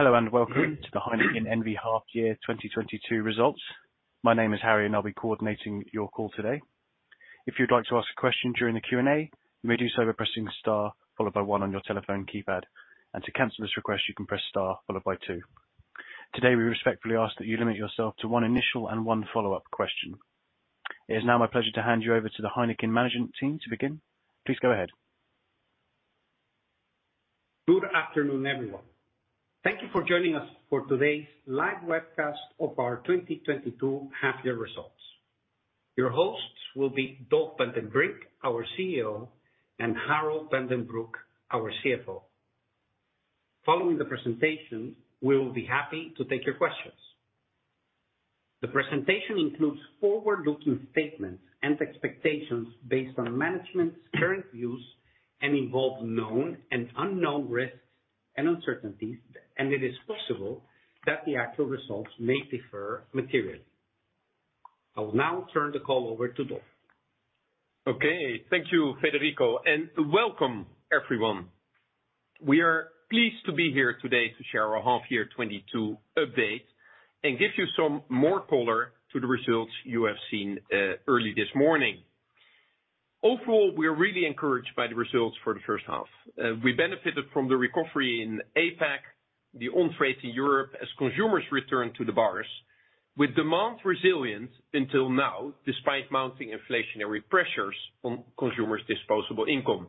Hello, and welcome to the Heineken N.V. Half Year 2022 Results. My name is Harry, and I'll be coordinating your call today. If you'd like to ask a question during the Q&A, you may do so by pressing star followed by one on your telephone keypad. To cancel this request, you can press star followed by two. Today, we respectfully ask that you limit yourself to one initial and one follow-up question. It is now my pleasure to hand you over to the Heineken management team to begin. Please go ahead. Good afternoon, everyone. Thank you for joining us for today's live webcast of our 2022 half year results. Your hosts will be Dolf van den Brink, our CEO, and Harold van den Broek, our CFO. Following the presentation, we will be happy to take your questions. The presentation includes forward-looking statements and expectations based on management's current views and involve known and unknown risks and uncertainties, and it is possible that the actual results may differ materially. I will now turn the call over to Dolf. Okay. Thank you, Federico, and welcome, everyone. We are pleased to be here today to share our half-year 2022 update and give you some more color to the results you have seen early this morning. Overall, we are really encouraged by the results for the first half. We benefited from the recovery in APAC, the on-trade in Europe as consumers return to the bars, with demand resilient until now, despite mounting inflationary pressures on consumers' disposable income.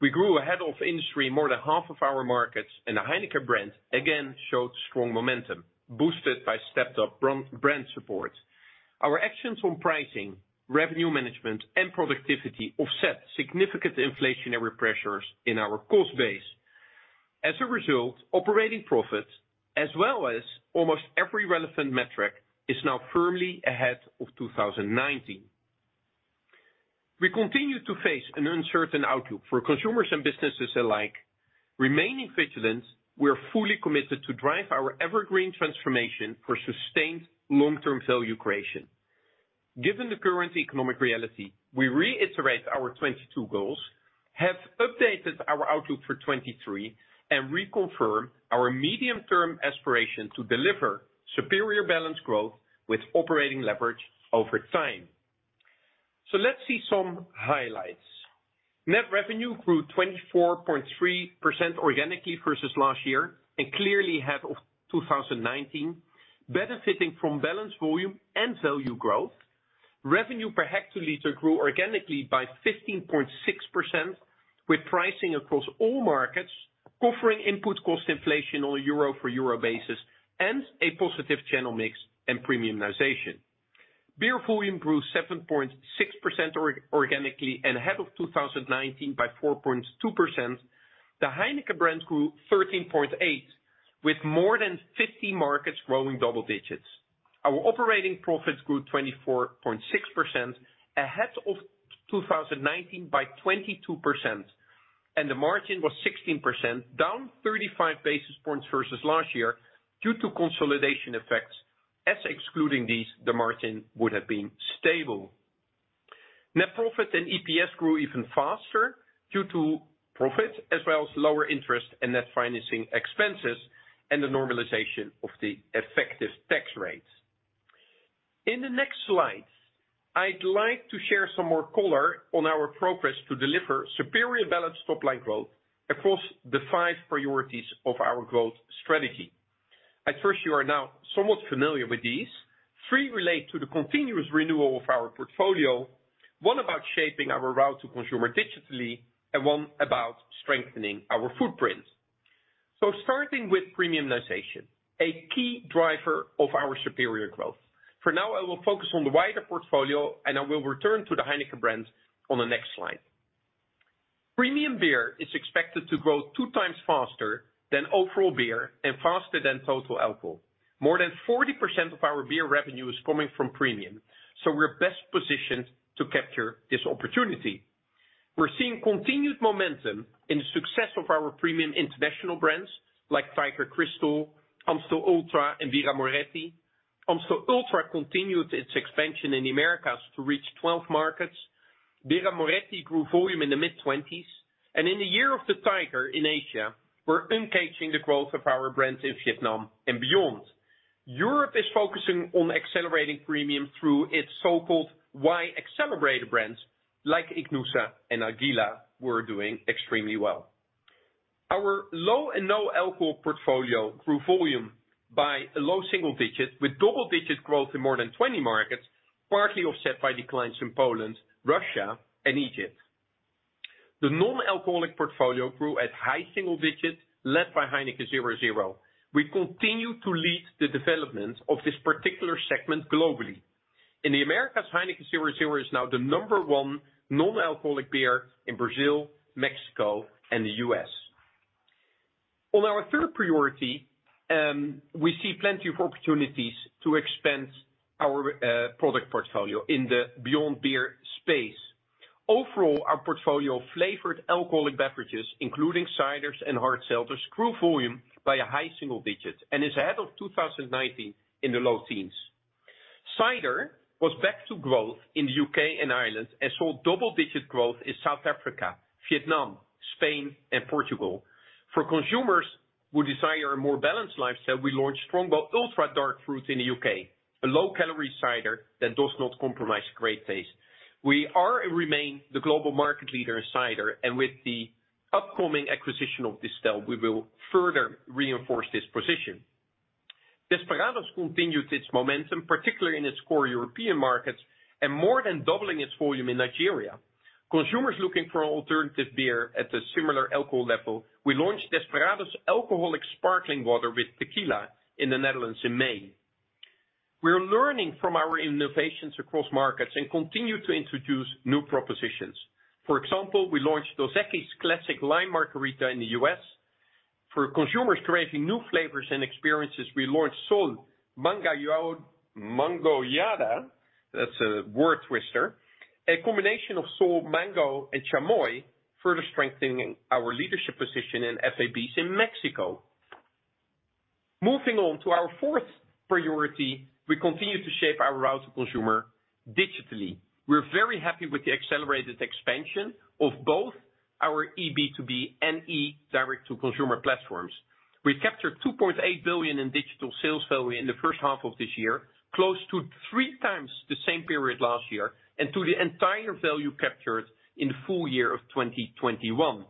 We grew ahead of industry more than half of our markets, and the Heineken brand again showed strong momentum, boosted by stepped up brand support. Our actions on pricing, revenue management, and productivity offset significant inflationary pressures in our cost base. As a result, operating profits, as well as almost every relevant metric, is now firmly ahead of 2019. We continue to face an uncertain outlook for consumers and businesses alike. Remaining vigilant, we are fully committed to drive our EverGreen transformation for sustained long-term value creation. Given the current economic reality, we reiterate our 2022 goals, have updated our outlook for 2023, and reconfirm our medium-term aspiration to deliver superior balanced growth with operating leverage over time. Let's see some highlights. Net revenue grew 24.3% organically versus last year and clearly ahead of 2019, benefiting from balanced volume and value growth. Revenue per hectoliter grew organically by 15.6%, with pricing across all markets offsetting input cost inflation on a euro-for-euro basis and a positive channel mix and premiumization. Beer volume grew 7.6% organically and ahead of 2019 by 4.2%. The Heineken brands grew 13.8%, with more than 50 markets growing double digits. Our operating profits grew 24.6% ahead of 2019 by 22%, and the margin was 16%, down 35 basis points versus last year due to consolidation effects, as excluding these, the margin would have been stable. Net profit and EPS grew even faster due to profit as well as lower interest and net financing expenses and the normalization of the effective tax rates. In the next slides, I'd like to share some more color on our progress to deliver superior balanced top line growth across the five priorities of our growth strategy. At first, you are now somewhat familiar with these. Three relate to the continuous renewal of our portfolio, one about shaping our route to consumer digitally, and one about strengthening our footprint. Starting with premiumization, a key driver of our superior growth. For now, I will focus on the wider portfolio, and I will return to the Heineken brands on the next slide. Premium beer is expected to grow 2x faster than overall beer and faster than total alcohol. More than 40% of our beer revenue is coming from premium, so we're best positioned to capture this opportunity. We're seeing continued momentum in the success of our premium international brands like Tiger Crystal, Amstel Ultra, and Birra Moretti. Amstel Ultra continued its expansion in Americas to reach 12 markets. Birra Moretti grew volume in the mid-20s, and in the year of the Tiger in Asia, we're uncaging the growth of our brands in Vietnam and beyond. Europe is focusing on accelerating premium through its so-called Y accelerator brands, like Desperados and Águila, were doing extremely well. Our low and no-alcohol portfolio grew volume by a low single digits with double-digit growth in more than 20 markets, partly offset by declines in Poland, Russia, and Egypt. The non-alcoholic portfolio grew at high single digits led by Heineken 0.0. We continue to lead the development of this particular segment globally. In the Americas, Heineken 0.0 is now the number one non-alcoholic beer in Brazil, Mexico, and the U.S. On our third priority, we see plenty of opportunities to expand our product portfolio in the beyond beer space. Overall, our portfolio of flavored alcoholic beverages, including ciders and hard seltzers, grew volume by a high single digits and is ahead of 2019 in the low teens. Cider was back to growth in the U.K. and Ireland, and saw double-digit growth in South Africa, Vietnam, Spain and Portugal. For consumers who desire a more balanced lifestyle, we launched Strongbow ULTRA Dark Fruit in the UK, a low-calorie cider that does not compromise great taste. We are and remain the global market leader in cider, and with the upcoming acquisition of Distell, we will further reinforce this position. Desperados continued its momentum, particularly in its core European markets, and more than doubling its volume in Nigeria. Consumers looking for alternative beer at a similar alcohol level, we launched Desperados Alcoholic Sparkling Water with tequila in the Netherlands in May. We are learning from our innovations across markets and continue to introduce new propositions. For example, we launched Dos Equis Margarita Classic Lime in the US. For consumers creating new flavors and experiences, we launched Sol Mangoyada, that's a word twister, a combination of Sol mango and chamoy, further strengthening our leadership position in FABs in Mexico. Moving on to our fourth priority, we continue to shape our route to consumer digitally. We're very happy with the accelerated expansion of both our eB2B and eD2C direct-to-consumer platforms. We captured 2.8 billion in digital sales value in the first half of this year, close to three times the same period last year, and to the entire value captured in full year of 2021,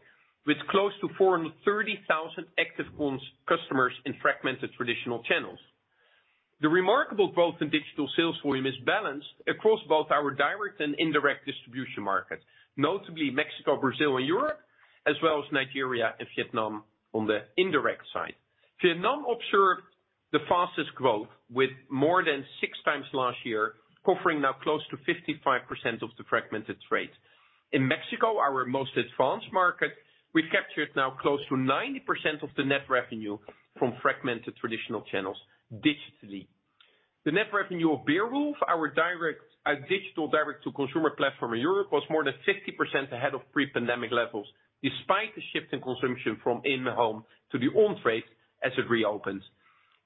with close to 430,000 active customers in fragmented traditional channels. The remarkable growth in digital sales volume is balanced across both our direct and indirect distribution markets, notably Mexico, Brazil and Europe, as well as Nigeria and Vietnam on the indirect side. Vietnam observed the fastest growth with more than six times last year, offering now close to 55% of the fragmented trades. In Mexico, our most advanced market, we've captured now close to 90% of the net revenue from fragmented traditional channels digitally. The net revenue of Beerwulf, our direct, digital direct to consumer platform in Europe, was more than 50% ahead of pre-pandemic levels, despite the shift in consumption from in the home to the on-trade as it reopens.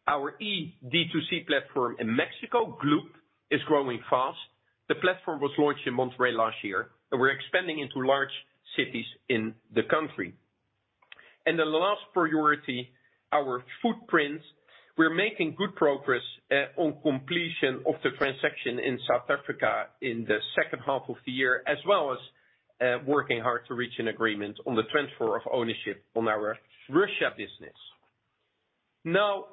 Our E D2C platform in Mexico, Glup, is growing fast. The platform was launched in Monterrey last year, and we're expanding into large cities in the country. The last priority, our footprint. We're making good progress on completion of the transaction in South Africa in the second half of the year, as well as working hard to reach an agreement on the transfer of ownership on our Russia business. Now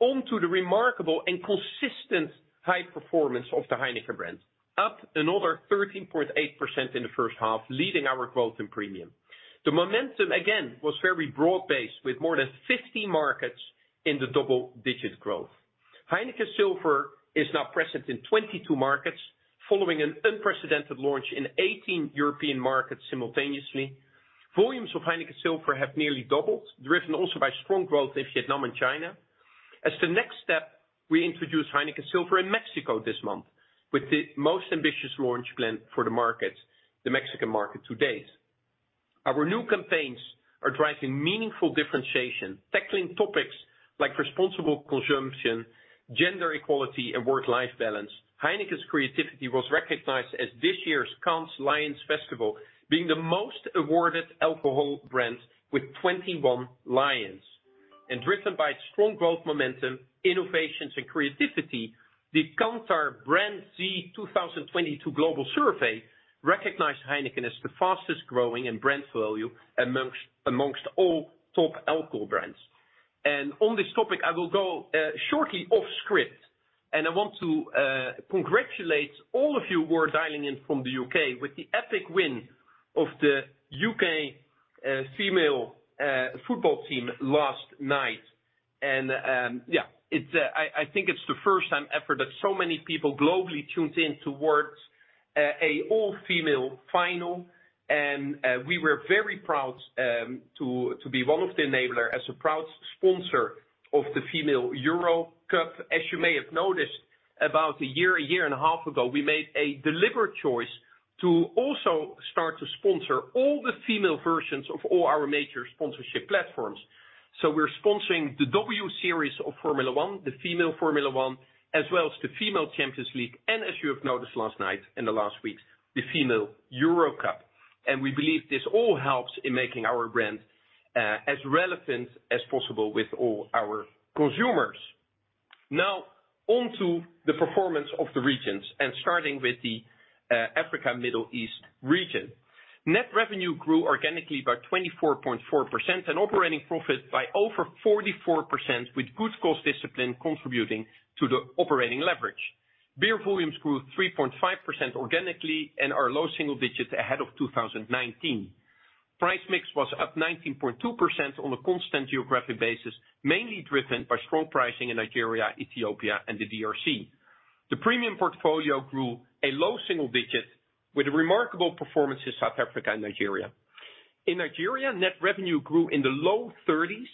on to the remarkable and consistent high performance of the Heineken brand. Up another 13.8% in the first half, leading our growth in premium. The momentum again was very broad-based with more than 50 markets in the double-digit growth. Heineken Silver is now present in 22 markets following an unprecedented launch in 18 European markets simultaneously. Volumes of Heineken Silver have nearly doubled, driven also by strong growth in Vietnam and China. As the next step, we introduced Heineken Silver in Mexico this month with the most ambitious launch plan for the market, the Mexican market to date. Our new campaigns are driving meaningful differentiation, tackling topics like responsible consumption, gender equality and work-life balance. Heineken's creativity was recognized as this year's Cannes Lions Festival, being the most awarded alcohol brand with 21 Lions. Driven by its strong growth, momentum, innovations and creativity, the Kantar BrandZ 2022 global survey recognized Heineken as the fastest growing in brand value amongst all top alcohol brands. On this topic, I will go shortly off script, and I want to congratulate all of you who are dialing in from the U.K. with the epic win of the U.K. female football team last night. It's the first time ever that so many people globally tuned in to watch an all-female final. We were very proud to be one of the enablers as a proud sponsor of the Women's Euro. As you may have noticed, about a year, a year and a half ago, we made a deliberate choice to also start to sponsor all the female versions of all our major sponsorship platforms. We're sponsoring the W Series of Formula One, the female Formula One, as well as the female Champions League. As you have noticed last night, in the last weeks, the female Euro Cup. We believe this all helps in making our brand as relevant as possible with all our consumers. Now on to the performance of the regions and starting with the Africa Middle East region. Net revenue grew organically by 24.4% and operating profit by over 44% with good cost discipline contributing to the operating leverage. Beer volumes grew 3.5% organically and are low single digits ahead of 2019. Price mix was up 19.2% on a constant geographic basis, mainly driven by strong pricing in Nigeria, Ethiopia and the DRC. The premium portfolio grew low-single-digit with a remarkable performance in South Africa and Nigeria. In Nigeria, net revenue grew in the low 30s,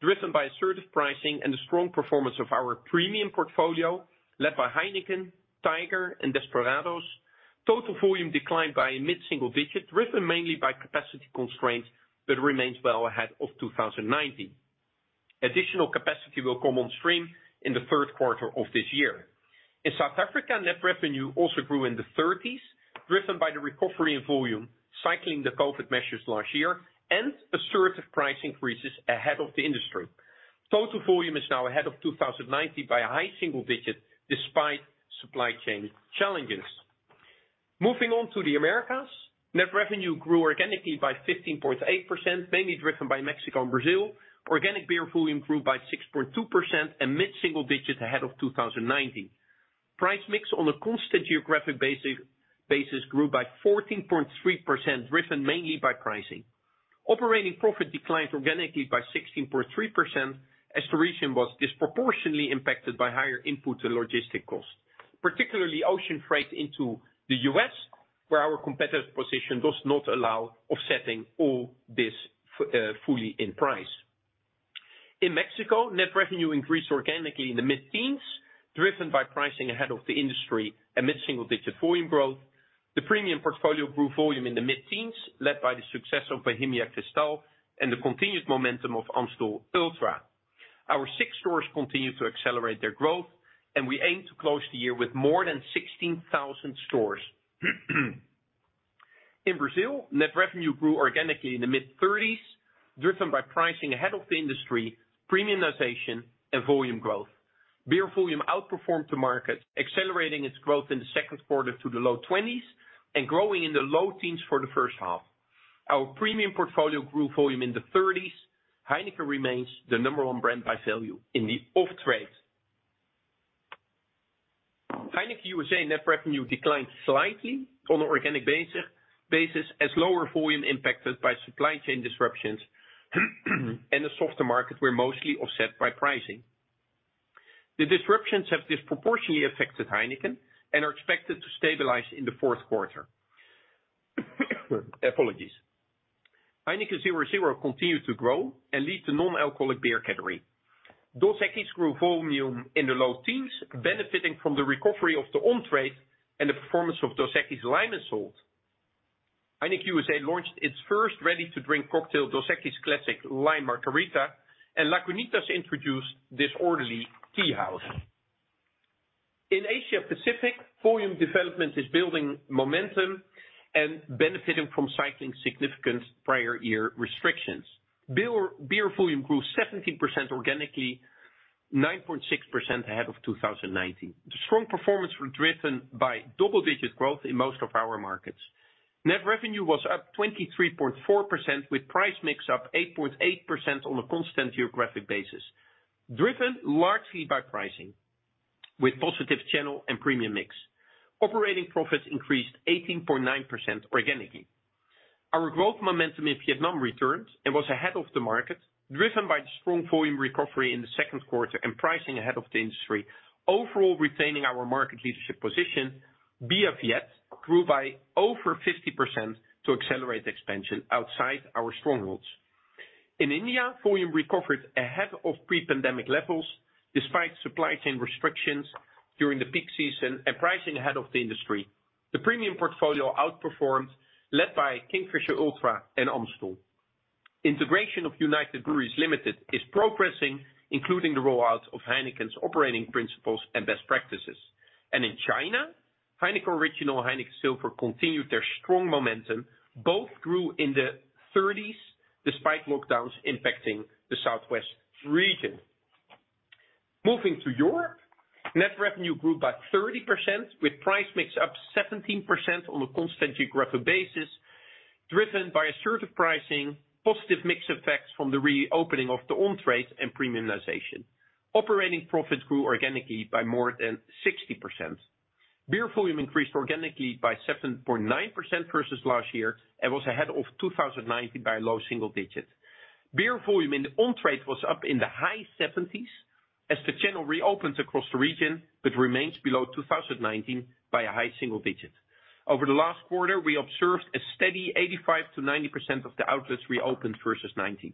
driven by assertive pricing and the strong performance of our premium portfolio, led by Heineken, Tiger and Desperados. Total volume declined by a mid-single-digit, driven mainly by capacity constraints, but remains well ahead of 2019. Additional capacity will come on stream in the third quarter of this year. In South Africa, net revenue also grew in the 30s, driven by the recovery in volume, cycling the COVID measures last year and assertive price increases ahead of the industry. Total volume is now ahead of 2019 by a high-single-digit despite supply chain challenges. Moving on to the Americas. Net revenue grew organically by 15.8%, mainly driven by Mexico and Brazil. Organic beer volume grew by 6.2% and mid-single digits ahead of 2019. Price mix on a constant geographic basis grew by 14.3%, driven mainly by pricing. Operating profit declined organically by 16.3% as the region was disproportionately impacted by higher input and logistic costs, particularly ocean freight into the U.S., where our competitive position does not allow offsetting all this fully in price. In Mexico, net revenue increased organically in the mid-teens, driven by pricing ahead of the industry and mid-single-digit volume growth. The premium portfolio grew volume in the mid-teens, led by the success of Bohemia Cristal and the continued momentum of Amstel Ultra. Our Six stores continue to accelerate their growth, and we aim to close the year with more than 16,000 stores. In Brazil, net revenue grew organically in the mid-30s%, driven by pricing ahead of the industry, premiumization and volume growth. Beer volume outperformed the market, accelerating its growth in the second quarter to the low 20s% and growing in the low teens for the first half. Our premium portfolio grew volume in the 30s%. Heineken remains the number one brand by value in the off-trade. Heineken USA net revenue declined slightly on an organic basis as lower volume impacted by supply chain disruptions and a softer market were mostly offset by pricing. The disruptions have disproportionately affected Heineken and are expected to stabilize in the fourth quarter. Apologies. Heineken 0.0 continued to grow and lead the non-alcoholic beer category. Dos Equis grew volume in the low teens, benefiting from the recovery of the on-trade and the performance of Dos Equis Lime & Salt. Heineken USA launched its first ready-to-drink cocktail, Dos Equis Margarita Classic Lime, and Lagunitas introduced Disorderly TeaHouse. In Asia Pacific, volume development is building momentum and benefiting from cycling significant prior year restrictions. Beer volume grew 17% organically, 9.6% ahead of 2019. The strong performance was driven by double-digit growth in most of our markets. Net revenue was up 23.4%, with price mix up 8.8% on a constant geographic basis, driven largely by pricing with positive channel and premium mix. Operating profits increased 18.9% organically. Our growth momentum in Vietnam returned and was ahead of the market, driven by the strong volume recovery in the second quarter and pricing ahead of the industry. Overall, retaining our market leadership position, Bia Viet grew by over 50% to accelerate expansion outside our strongholds. In India, volume recovered ahead of pre-pandemic levels despite supply chain restrictions during the peak season and pricing ahead of the industry. The premium portfolio outperformed, led by Kingfisher Ultra and Amstel. Integration of United Breweries Limited is progressing, including the roll-out of Heineken's operating principles and best practices. In China, Heineken Original, Heineken Silver continued their strong momentum. Both grew in the 30s despite lockdowns impacting the southwest region. Moving to Europe, net revenue grew by 30%, with price mix up 17% on a constant geographic basis, driven by assertive pricing, positive mix effects from the reopening of the on-trade and premiumization. Operating profits grew organically by more than 60%. Beer volume increased organically by 7.9% versus last year and was ahead of 2019 by low single digits. Beer volume in the on-trade was up in the high 70s as the channel reopens across the region, but remains below 2019 by high single digits. Over the last quarter, we observed a steady 85%-90% of the outlets reopened versus 2019.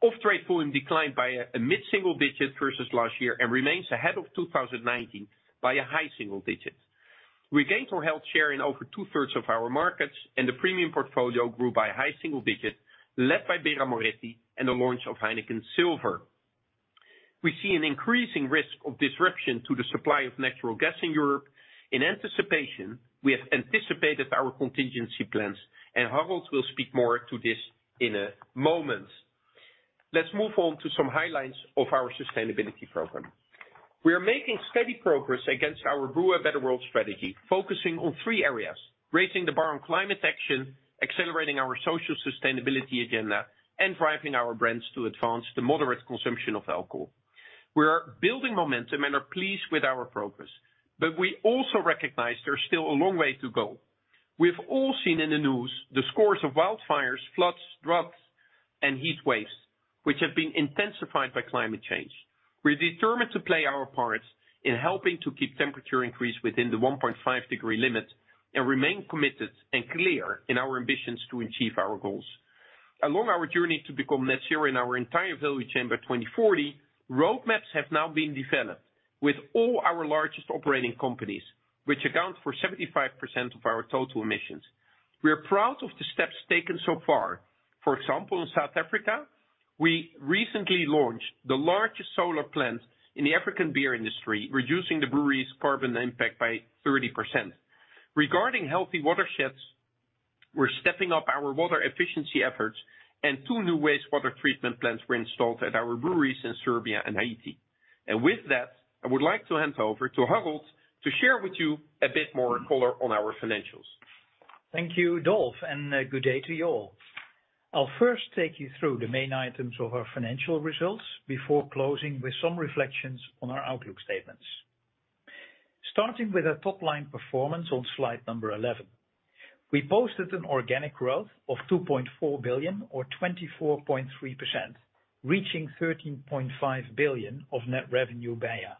Off-trade volume declined by a mid-single digit versus last year and remains ahead of 2019 by high single digits. We gained or held share in over two-thirds of our markets and the premium portfolio grew by a high single digit led by Birra Moretti and the launch of Heineken Silver. We see an increasing risk of disruption to the supply of natural gas in Europe. In anticipation, we have anticipated our contingency plans, and Harold will speak more to this in a moment. Let's move on to some highlights of our sustainability program. We are making steady progress against our Brew a Better World strategy, focusing on three areas, raising the bar on climate action, accelerating our social sustainability agenda, and driving our brands to advance the moderate consumption of alcohol. We are building momentum and are pleased with our progress, but we also recognize there's still a long way to go. We have all seen in the news the scores of wildfires, floods, droughts, and heat waves, which have been intensified by climate change. We're determined to play our part in helping to keep temperature increase within the 1.5-degree limit and remain committed and clear in our ambitions to achieve our goals. Along our journey to become net zero in our entire value chain by 2040, roadmaps have now been developed with all our largest operating companies, which account for 75% of our total emissions. We are proud of the steps taken so far. For example, in South Africa, we recently launched the largest solar plant in the African beer industry, reducing the brewery's carbon impact by 30%. Regarding healthy watersheds, we're stepping up our water efficiency efforts, and two new wastewater treatment plants were installed at our breweries in Serbia and Haiti. With that, I would like to hand over to Harold to share with you a bit more color on our financials. Thank you, Dolf, and good day to you all. I'll first take you through the main items of our financial results before closing with some reflections on our outlook statements. Starting with our top-line performance on slide 11, we posted an organic growth of 2.4 billion or 24.3%, reaching 13.5 billion of net revenue BEIA.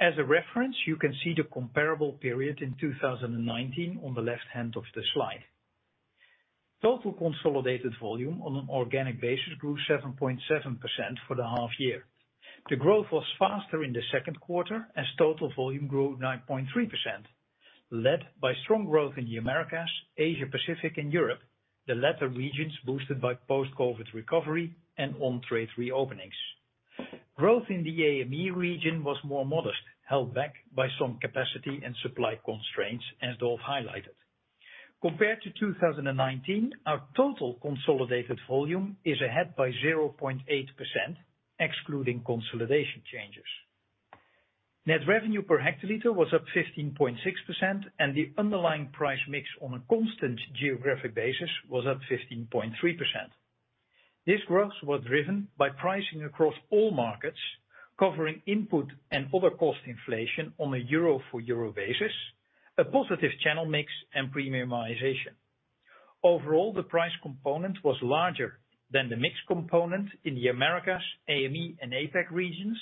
As a reference, you can see the comparable period in 2019 on the left-hand of the slide. Total consolidated volume on an organic basis grew 7.7% for the half year. The growth was faster in the second quarter as total volume grew 9.3%, led by strong growth in the Americas, Asia-Pacific and Europe. The latter regions boosted by post-COVID recovery and on-trade reopenings. Growth in the AME region was more modest, held back by some capacity and supply constraints, as Dolf highlighted. Compared to 2019, our total consolidated volume is ahead by 0.8%, excluding consolidation changes. Net revenue per hectoliter was up 15.6%, and the underlying price mix on a constant geographic basis was up 15.3%. These growths were driven by pricing across all markets, covering input and other cost inflation on a euro-for-euro basis, a positive channel mix and premiumization. Overall, the price component was larger than the mix component in the Americas, AME and APAC regions,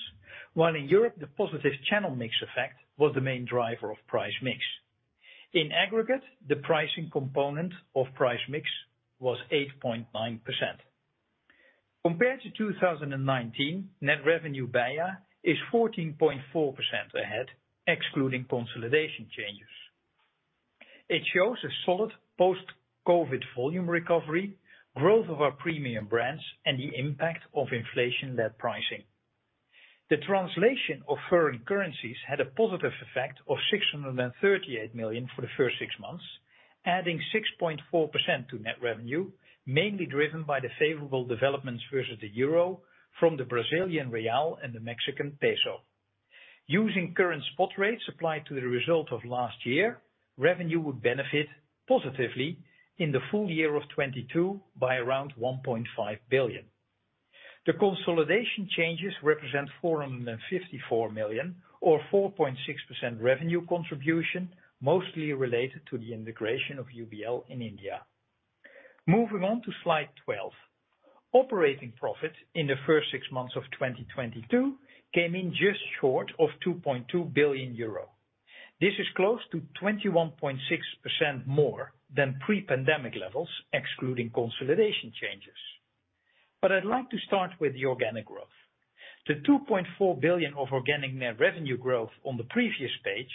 while in Europe, the positive channel mix effect was the main driver of price mix. In aggregate, the pricing component of price mix was 8.9%. Compared to 2019, net revenue BEIA is 14.4% ahead, excluding consolidation changes. It shows a solid post-COVID volume recovery, growth of our premium brands, and the impact of inflation-led pricing. The translation of foreign currencies had a positive effect of 638 million for the first six months, adding 6.4% to net revenue, mainly driven by the favorable developments versus the euro from the Brazilian real and the Mexican peso. Using current spot rates applied to the result of last year, revenue would benefit positively in the full year of 2022 by around 1.5 billion. The consolidation changes represent 454 million or 4.6% revenue contribution, mostly related to the integration of UBL in India. Moving on to slide 12. Operating profit in the first six months of 2022 came in just short of 2.2 billion euro. This is close to 21.6% more than pre-pandemic levels, excluding consolidation changes. I'd like to start with the organic growth. The 2.4 billion of organic net revenue growth on the previous page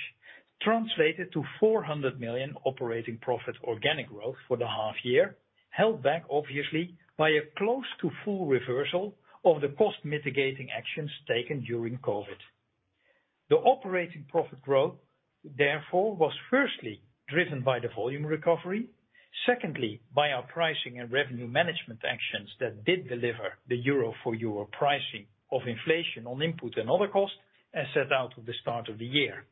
translated to 400 million operating profit organic growth for the half year, held back, obviously, by a close to full reversal of the cost mitigating actions taken during COVID. The operating profit growth, therefore, was firstly driven by the volume recovery, secondly, by our pricing and revenue management actions that did deliver the euro-for-euro pricing of inflation on input and other costs as set out at the start of the year.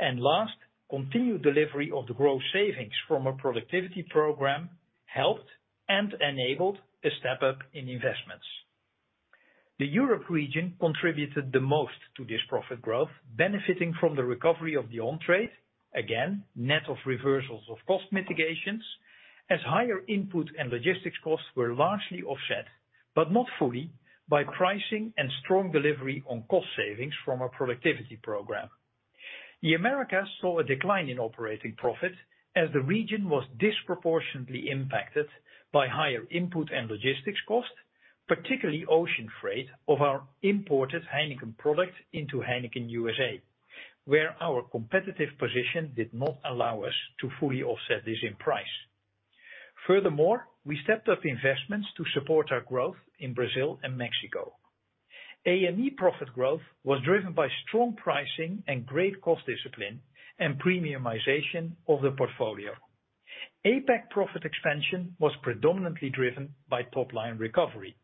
Last, continued delivery of the growth savings from a productivity program helped and enabled a step up in investments. The Europe region contributed the most to this profit growth, benefiting from the recovery of the on-trade, again, net of reversals of cost mitigations, as higher input and logistics costs were largely offset, but not fully, by pricing and strong delivery on cost savings from our productivity program. The Americas saw a decline in operating profit as the region was disproportionately impacted by higher input and logistics costs, particularly ocean freight of our imported Heineken products into Heineken USA, where our competitive position did not allow us to fully offset this in price. Furthermore, we stepped up investments to support our growth in Brazil and Mexico. AME profit growth was driven by strong pricing and great cost discipline and premiumization of the portfolio. APAC profit expansion was predominantly driven by top-line recovery.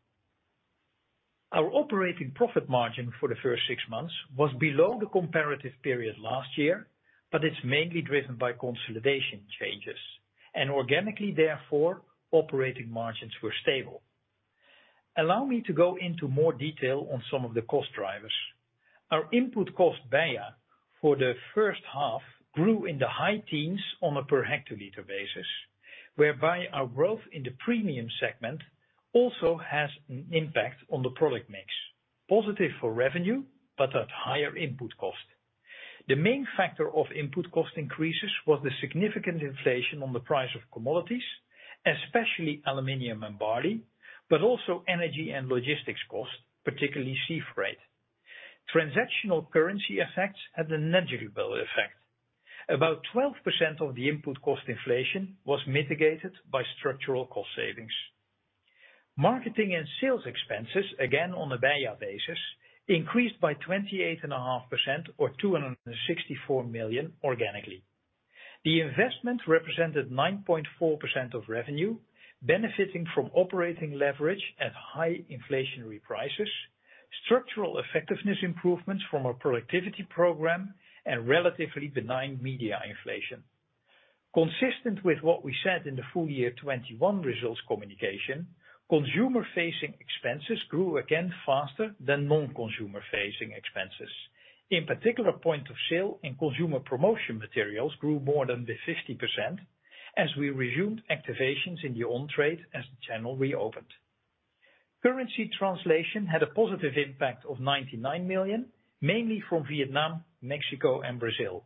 Our operating profit margin for the first six months was below the comparative period last year, but it's mainly driven by consolidation changes, and organically, therefore, operating margins were stable. Allow me to go into more detail on some of the cost drivers. Our input cost, BEIA, for the first half grew in the high teens on a per hectoliter basis, whereby our growth in the premium segment also has an impact on the product mix, positive for revenue, but at higher input cost. The main factor of input cost increases was the significant inflation on the price of commodities, especially aluminum and barley, but also energy and logistics costs, particularly sea freight. Transaction currency effects had a negligible effect. About 12% of the input cost inflation was mitigated by structural cost savings. Marketing and Sales Expenses, again on a BEIA basis, increased by 28.5% or 264 million organically. The investment represented 9.4% of revenue, benefiting from operating leverage at high inflationary prices, structural effectiveness improvements from a productivity program, and relatively benign media inflation. Consistent with what we said in the full year 2021 results communication, consumer facing expenses grew again faster than non-consumer facing expenses. In particular, point of sale and consumer promotion materials grew more than 50% as we resumed activations in the on trade as the channel reopened. Currency translation had a positive impact of 99 million, mainly from Vietnam, Mexico and Brazil.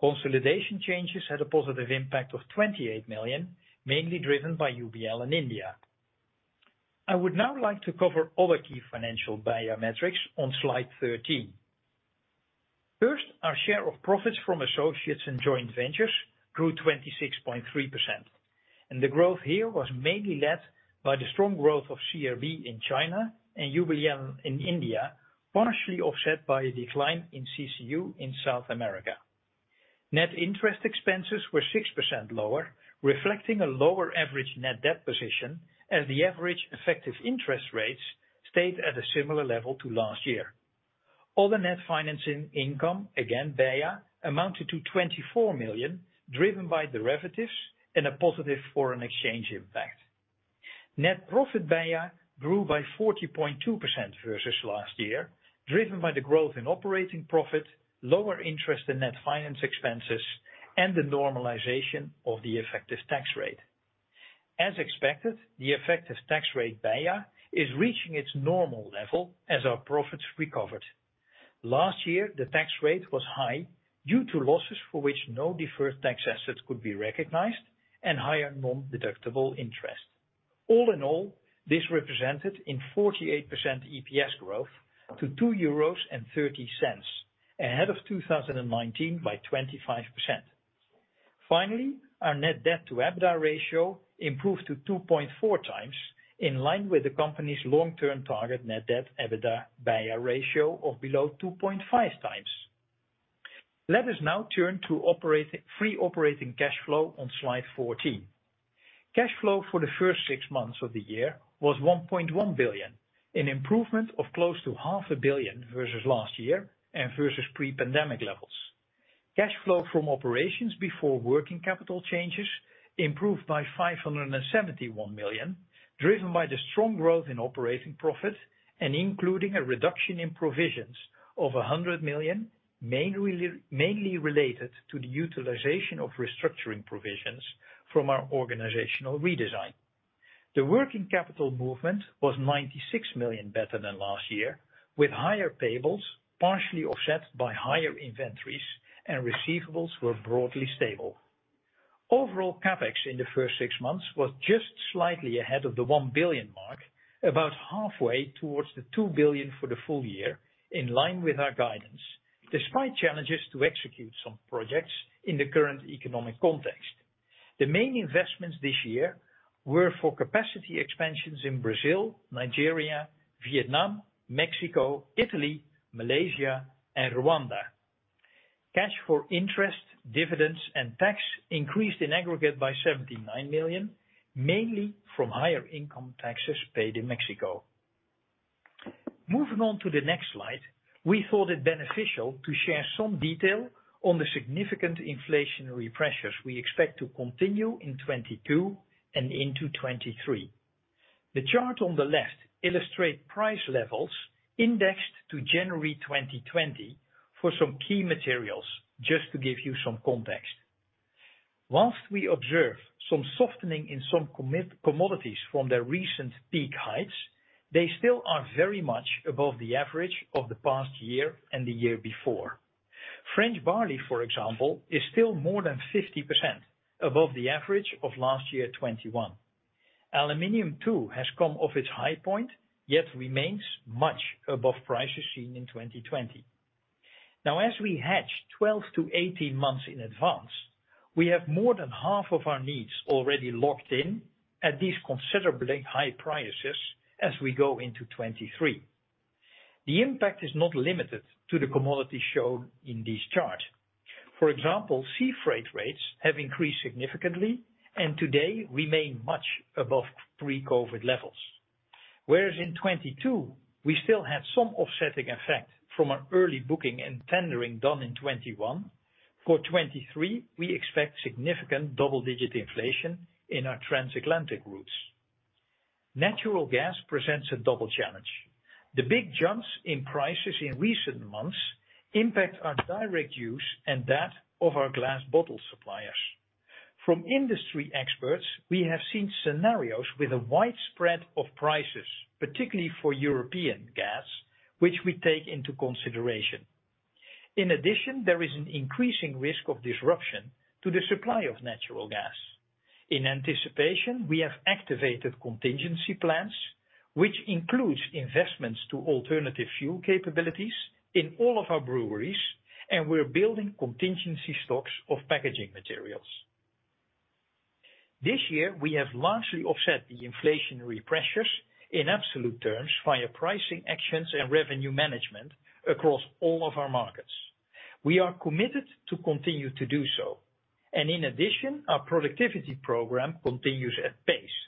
Consolidation changes had a positive impact of 28 million, mainly driven by UBL in India. I would now like to cover other key financial BEIA metrics on slide 13. First, our share of profits from associates and joint ventures grew 26.3%, and the growth here was mainly led by the strong growth of CR Beer in China and United Breweries Limited in India, partially offset by a decline in CCU in South America. Net interest expenses were 6% lower, reflecting a lower average net debt position as the average effective interest rates stayed at a similar level to last year. Other net financing income, again BEIA, amounted to 24 million, driven by derivatives and a positive foreign exchange impact. Net profit BEIA grew by 40.2% versus last year, driven by the growth in operating profit, lower interest and net finance expenses, and the normalization of the effective tax rate. As expected, the effective tax rate BEIA is reaching its normal level as our profits recovered. Last year, the tax rate was high due to losses for which no deferred tax assets could be recognized and higher non-deductible interest. All in all, this represented 48% EPS growth to 2.30 euros, ahead of 2019 by 25%. Finally, our net debt to EBITDA ratio improved to 2.4 times, in line with the company's long-term target net debt to EBITDA ratio of below 2.5 times. Let us now turn to free operating cash flow on slide 14. Cash flow for the first six months of the year was 1.1 billion, an improvement of close to half a billion versus last year and versus pre-pandemic levels. Cash flow from operations before working capital changes improved by 571 million, driven by the strong growth in operating profit and including a reduction in provisions of 100 million, mainly related to the utilization of restructuring provisions from our organizational redesign. The working capital movement was 96 million better than last year, with higher payables partially offset by higher inventories and receivables were broadly stable. Overall, CapEx in the first six months was just slightly ahead of the 1 billion mark, about halfway towards the 2 billion for the full year, in line with our guidance, despite challenges to execute some projects in the current economic context. The main investments this year were for capacity expansions in Brazil, Nigeria, Vietnam, Mexico, Italy, Malaysia, and Rwanda. Cash for interest, dividends and tax increased in aggregate by 79 million, mainly from higher income taxes paid in Mexico. Moving on to the next slide, we thought it beneficial to share some detail on the significant inflationary pressures we expect to continue in 2022 and into 2023. The chart on the left illustrate price levels indexed to January 2020 for some key materials, just to give you some context. While we observe some softening in some commodities from their recent peak heights, they still are very much above the average of the past year and the year before. French barley, for example, is still more than 50% above the average of last year, 2021. Aluminum too has come off its high point, yet remains much above prices seen in 2020. Now, as we hedge 12 to 18 months in advance, we have more than half of our needs already locked in at these considerably high prices as we go into 2023. The impact is not limited to the commodities shown in this chart. For example, sea freight rates have increased significantly and today remain much above pre-COVID levels. Whereas in 2022, we still had some offsetting effect from our early booking and tendering done in 2021, for 2023, we expect significant double-digit inflation in our transatlantic routes. Natural gas presents a double challenge. The big jumps in prices in recent months impact our direct use and that of our glass bottle suppliers. From industry experts, we have seen scenarios with a wide spread of prices, particularly for European gas, which we take into consideration. In addition, there is an increasing risk of disruption to the supply of natural gas. In anticipation, we have activated contingency plans, which includes investments to alternative fuel capabilities in all of our breweries, and we're building contingency stocks of packaging materials. This year, we have largely offset the inflationary pressures in absolute terms via pricing actions and revenue management across all of our markets. We are committed to continue to do so. In addition, our productivity program continues at pace,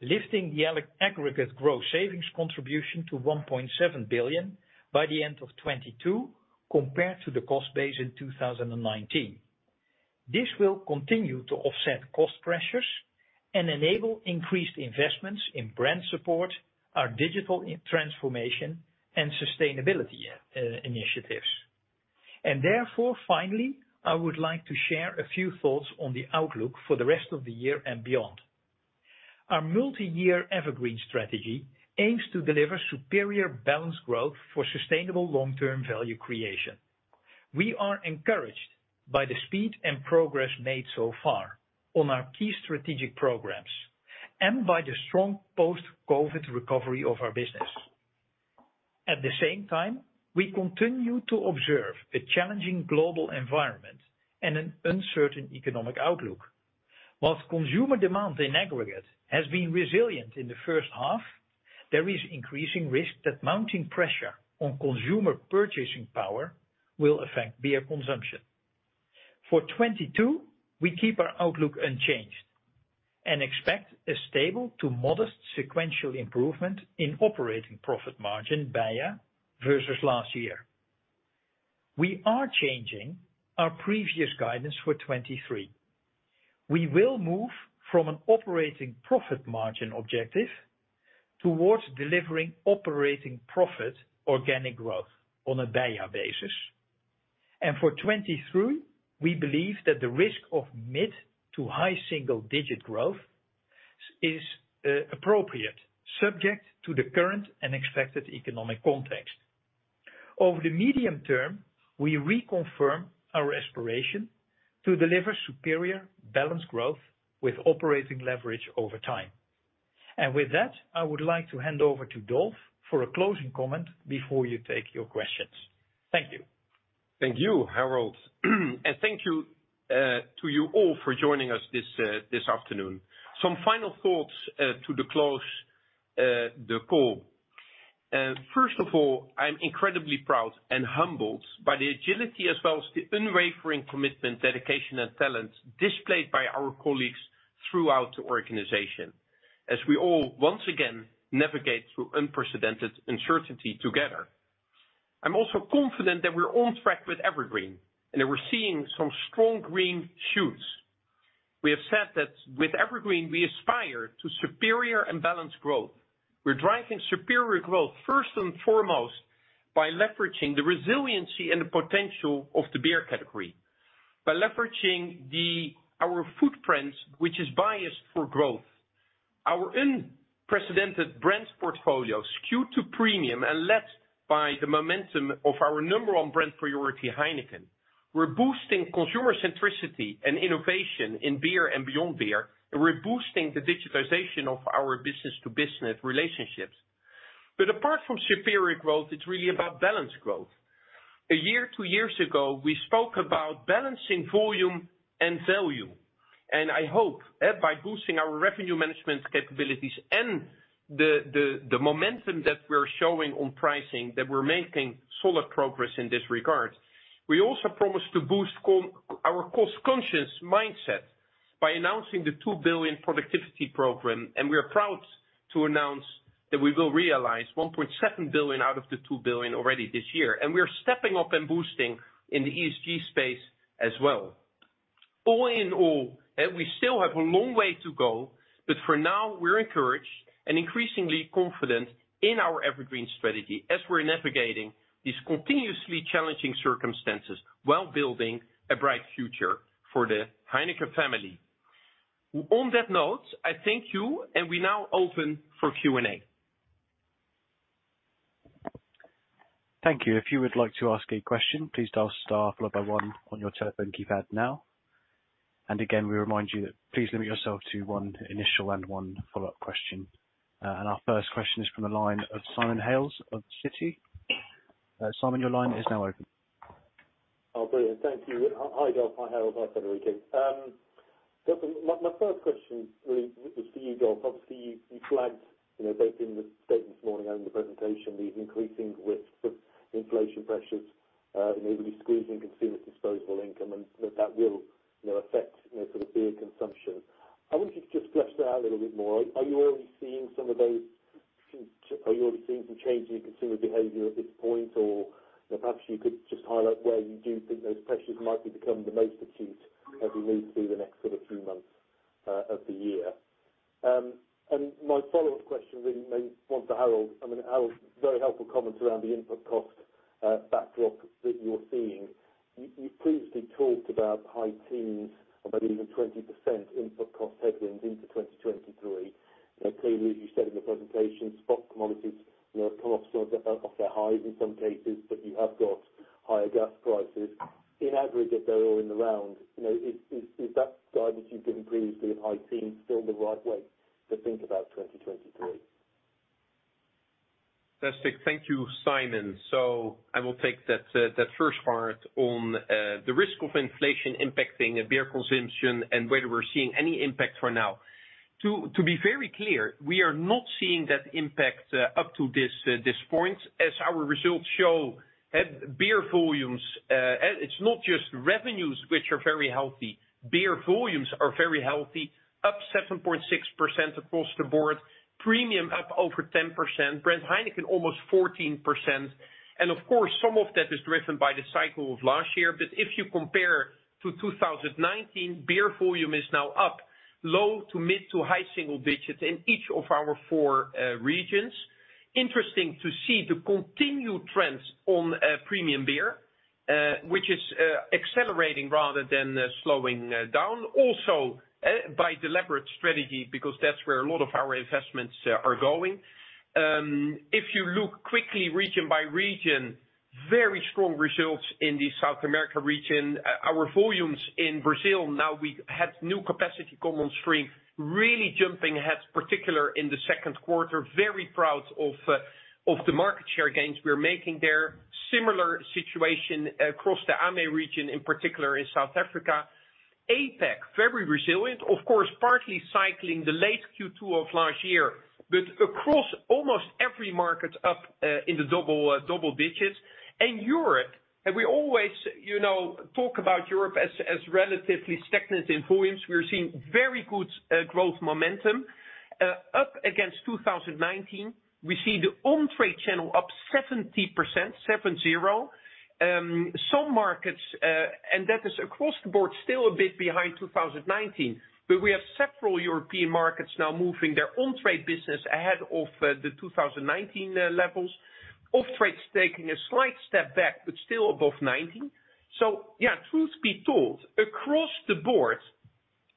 lifting the aggregate growth savings contribution to 1.7 billion by the end of 2022, compared to the cost base in 2019. This will continue to offset cost pressures and enable increased investments in brand support, our digital transformation, and sustainability initiatives. Therefore, finally, I would like to share a few thoughts on the outlook for the rest of the year and beyond. Our multi-year EverGreen strategy aims to deliver superior balanced growth for sustainable long-term value creation. We are encouraged by the speed and progress made so far on our key strategic programs and by the strong post-COVID recovery of our business. At the same time, we continue to observe a challenging global environment and an uncertain economic outlook. While consumer demand in aggregate has been resilient in the first half, there is increasing risk that mounting pressure on consumer purchasing power will affect beer consumption. For 2022, we keep our outlook unchanged and expect a stable to modest sequential improvement in operating profit margin, BEIA, versus last year. We are changing our previous guidance for 2023. We will move from an operating profit margin objective towards delivering operating profit organic growth on a BEIA basis. For 2023, we believe that the risk of mid- to high single-digit% growth is appropriate, subject to the current and expected economic context. Over the medium term, we reconfirm our aspiration to deliver superior balanced growth with operating leverage over time. With that, I would like to hand over to Dolf for a closing comment before you take your questions. Thank you. Thank you, Harold. Thank you to you all for joining us this afternoon. Some final thoughts to close the call. First of all, I'm incredibly proud and humbled by the agility as well as the unwavering commitment, dedication, and talent displayed by our colleagues throughout the organization, as we all once again navigate through unprecedented uncertainty together. I'm also confident that we're on track with EverGreen and that we're seeing some strong green shoots. We have said that with EverGreen we aspire to superior and balanced growth. We're driving superior growth first and foremost by leveraging the resiliency and the potential of the beer category, by leveraging our footprints, which is biased for growth. Our unprecedented brands portfolio skewed to premium and led by the momentum of our number one brand priority, Heineken. We're boosting consumer centricity and innovation in beer and beyond beer. We're boosting the digitization of our business to business relationships. Apart from superior growth, it's really about balanced growth. A year, two years ago, we spoke about balancing volume and value. I hope that by boosting our revenue management capabilities and the momentum that we're showing on pricing, that we're making solid progress in this regard. We also promise to boost our cost-conscious mindset by announcing the 2 billion productivity program. We are proud to announce that we will realize 1.7 billion out of the 2 billion already this year. We are stepping up and boosting in the ESG space as well. All in all, we still have a long way to go, but for now, we're encouraged and increasingly confident in our EverGreen strategy as we're navigating these continuously challenging circumstances while building a bright future for the Heineken family. On that note, I thank you and we now open for Q&A. Thank you. If you would like to ask a question, please dial star followed by one on your telephone keypad now. Again, we remind you that please limit yourself to one initial and one follow-up question. Our first question is from the line of Simon Hales of Citi. Simon, your line is now open. Oh, brilliant. Thank you. Hi, Dolf. Hi, Harold. Hi, Federico. Dolf, my first question really is for you, Dolf. Obviously, you flagged, you know, both in the statement this morning and in the presentation, the increasing risks of inflation pressures, and maybe squeezing consumer disposable income and that will, you know, affect, you know, sort of beer consumption. I wonder if you could just flesh that out a little bit more. Are you already seeing some of those changes in consumer behavior at this point? Or perhaps you could just highlight where you do think those pressures might be becoming the most acute as we move through the next sort of few months of the year. My follow-up question really may want to Harold. I mean, Harold, very helpful comments around the input cost backdrop that you're seeing. You previously talked about high teens or maybe even 20% input cost headwinds into 2023. Now clearly, as you said in the presentation, spot commodities, you know, have come off sort of their highs in some cases, but you have got higher gas prices. In aggregate, though, in the round, you know, is that guidance you've given previously of high teens still the right way to think about 2023? Fantastic. Thank you, Simon. I will take that first part on the risk of inflation impacting beer consumption and whether we're seeing any impact for now. To be very clear, we are not seeing that impact up to this point. As our results show, beer volumes. It's not just revenues which are very healthy, beer volumes are very healthy, up 7.6% across the board. Premium up over 10%. Brand Heineken almost 14%. Of course, some of that is driven by the cycle of last year. If you compare to 2019, beer volume is now up low- to mid- to high single digits in each of our four regions. Interesting to see the continued trends on premium beer, which is accelerating rather than slowing down. By deliberate strategy, because that's where a lot of our investments are going. If you look quickly region by region, very strong results in the South America region. Our volumes in Brazil, now we have new capacity come on stream, really jumping ahead, particularly in the second quarter. Very proud of the market share gains we're making there. Similar situation across the AME region, in particular in South Africa. APAC, very resilient. Of course, partly cycling the late Q2 of last year. Across almost every market, up in the double digits. Europe, we always, you know, talk about Europe as relatively stagnant in volumes. We're seeing very good growth momentum, up against 2019. We see the on-trade channel up 70%. Some markets, and that is across the board, still a bit behind 2019, but we have several European markets now moving their on-trade business ahead of the 2019 levels. Off-trade's taking a slight step back, but still above 90%. Yeah, truth be told, across the board,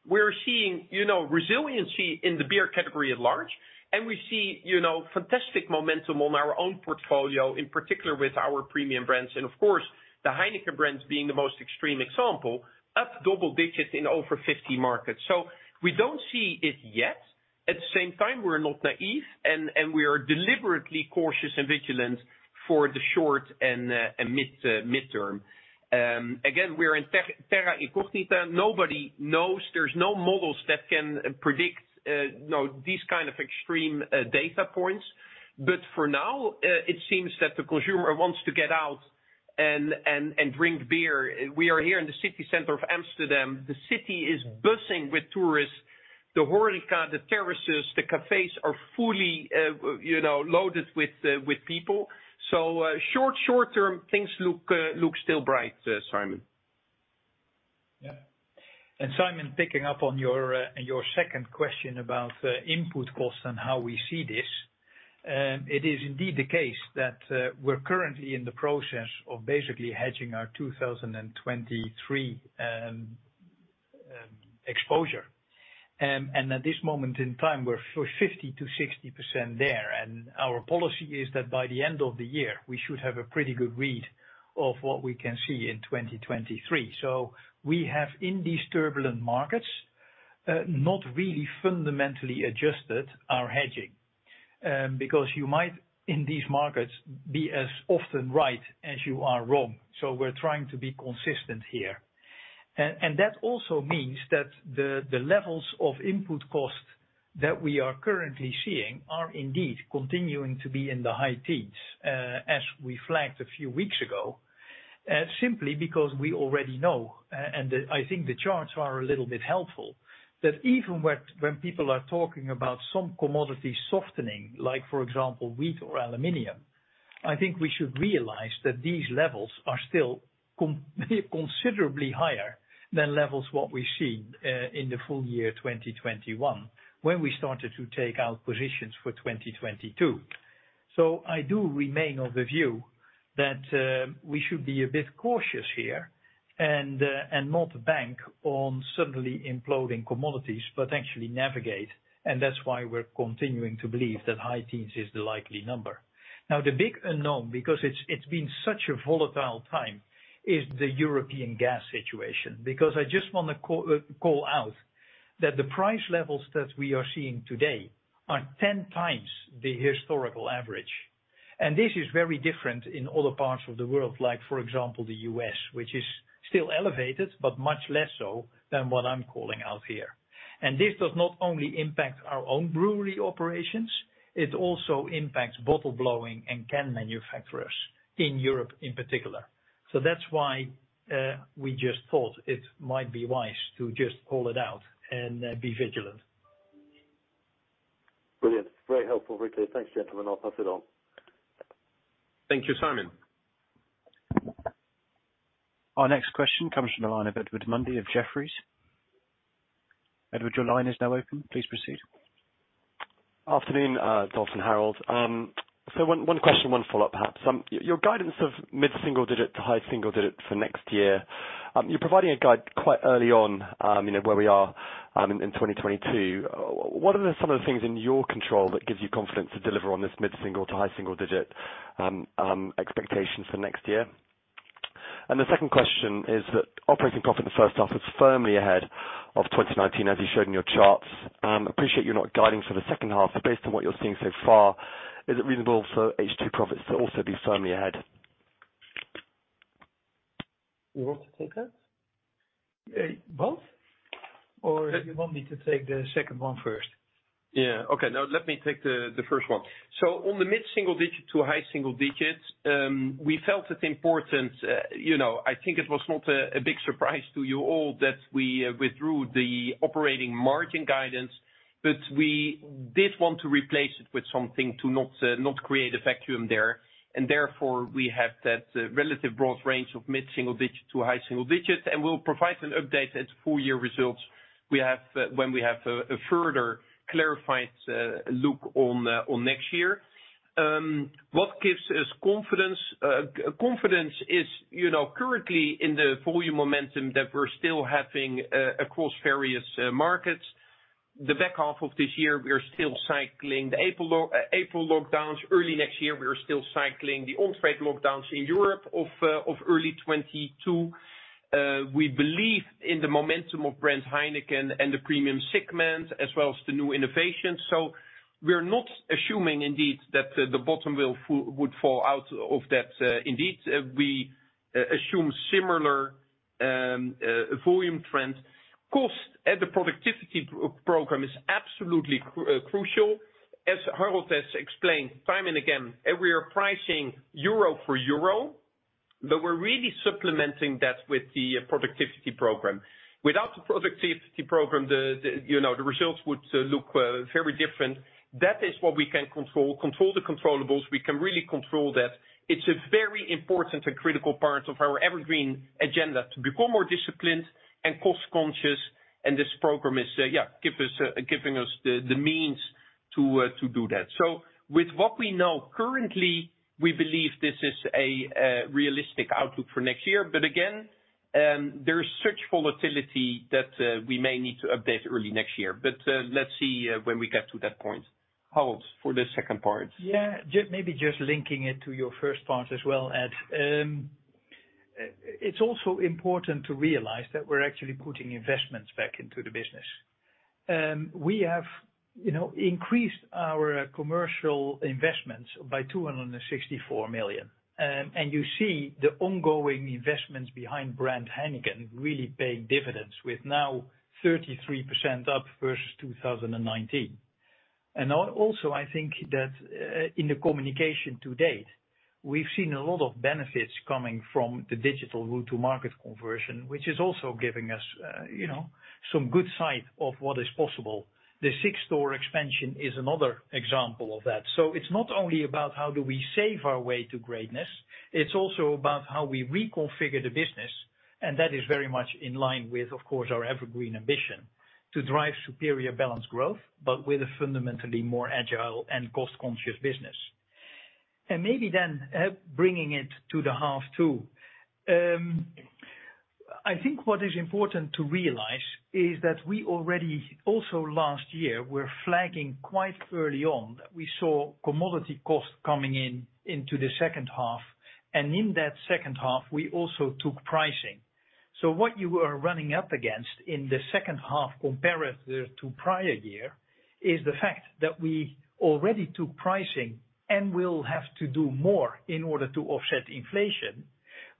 we're seeing, you know, resiliency in the beer category at large, and we see, you know, fantastic momentum on our own portfolio, in particular with our premium brands, and of course, the Heineken brands being the most extreme example, up double digits in over 50 markets. We don't see it yet. At the same time, we're not naive and we are deliberately cautious and vigilant for the short and mid-term. Again, we're in terra incognita. Nobody knows. There's no models that can predict, you know, these kind of extreme data points. For now, it seems that the consumer wants to get out and drink beer. We are here in the city center of Amsterdam. The city is buzzing with tourists. The Horeca, the terraces, the cafes are fully, you know, loaded with people. Short term, things look still bright, Simon. Yeah. Simon, picking up on your second question about input costs and how we see this, it is indeed the case that we're currently in the process of basically hedging our 2023 exposure. At this moment in time, we're 50%-60% there. Our policy is that by the end of the year, we should have a pretty good read of what we can see in 2023. In these turbulent markets, we have not really fundamentally adjusted our hedging, because you might, in these markets, be as often right as you are wrong. We're trying to be consistent here. That also means that the levels of input cost that we are currently seeing are indeed continuing to be in the high teens, as we flagged a few weeks ago, simply because we already know, and I think the charts are a little bit helpful, that even when people are talking about some commodities softening, like for example, wheat or aluminum, I think we should realize that these levels are still considerably higher than levels what we've seen, in the full year 2021, when we started to take out positions for 2022. I do remain of the view that we should be a bit cautious here and not bank on suddenly imploding commodities, but actually navigate. That's why we're continuing to believe that high teens is the likely number. Now, the big unknown, because it's been such a volatile time, is the European gas situation. I just wanna call out that the price levels that we are seeing today are 10 times the historical average. This is very different in other parts of the world, like for example, the U.S., which is still elevated, but much less so than what I'm calling out here. This does not only impact our own brewery operations, it also impacts bottle blowing and can manufacturers in Europe in particular. That's why we just thought it might be wise to just call it out and be vigilant. Brilliant. Very helpful. Thanks, gentlemen. I'll pass it on. Thank you, Simon. Our next question comes from the line of Edward Mundy of Jefferies. Edward, your line is now open. Please proceed. Afternoon, Dolf and Harold. One question, one follow-up, perhaps. Your guidance of mid-single-digit to high single-digit for next year, you're providing a guide quite early on, you know, where we are in 2022. What are some of the things in your control that gives you confidence to deliver on this mid-single-digit to high single-digit expectations for next year? The second question is that operating profit in the first half is firmly ahead of 2019, as you showed in your charts. Appreciate you're not guiding for the second half, but based on what you're seeing so far, is it reasonable for H2 profits to also be firmly ahead? You want to take that? Both? Or you want me to take the second one first? On the mid-single-digit to high-single-digit%, we felt it important, you know, I think it was not a big surprise to you all that we withdrew the operating margin guidance, but we did want to replace it with something to not create a vacuum there. Therefore, we have that relatively broad range of mid-single-digit to high-single-digit%, and we'll provide an update at full-year results when we have a further clarified look on next year. What gives us confidence? Confidence is, you know, currently in the volume momentum that we're still having across various markets. The back half of this year, we are still cycling the April lockdowns. Early next year, we are still cycling the on-trade lockdowns in Europe of early 2022. We believe in the momentum of brand Heineken and the premium segment, as well as the new innovations. We're not assuming indeed that the bottom would fall out of that. Indeed, we assume similar volume trends. Cost and the productivity program is absolutely crucial. As Harold has explained time and again, and we are pricing euro for euro, but we're really supplementing that with the productivity program. Without the productivity program, you know, the results would look very different. That is what we can control. Control the controllables. We can really control that. It's a very important and critical part of our EverGreen agenda to become more disciplined and cost-conscious, and this program is giving us the means to do that. With what we know currently, we believe this is a realistic outlook for next year. Again, there is such volatility that we may need to update early next year. Let's see when we get to that point. Harold, for the second part. Yeah. Maybe just linking it to your first part as well, Ed. It's also important to realize that we're actually putting investments back into the business. We have, you know, increased our commercial investments by 264 million. You see the ongoing investments behind brand Heineken really paying dividends, with now 33% up versus 2019. Also, I think that in the communication to date, we've seen a lot of benefits coming from the digital go-to-market conversion, which is also giving us, you know, some good insight of what is possible. The Six store expansion is another example of that. It's not only about how do we save our way to greatness, it's also about how we reconfigure the business, and that is very much in line with, of course, our EverGreen ambition to drive superior balanced growth, but with a fundamentally more agile and cost-conscious business. Maybe then, Ed, bringing it to the half too. I think what is important to realize is that we already, also last year, were flagging quite early on that we saw commodity costs coming in into the second half. In that second half, we also took pricing. What you are running up against in the second half compared to prior year is the fact that we already took pricing and will have to do more in order to offset inflation.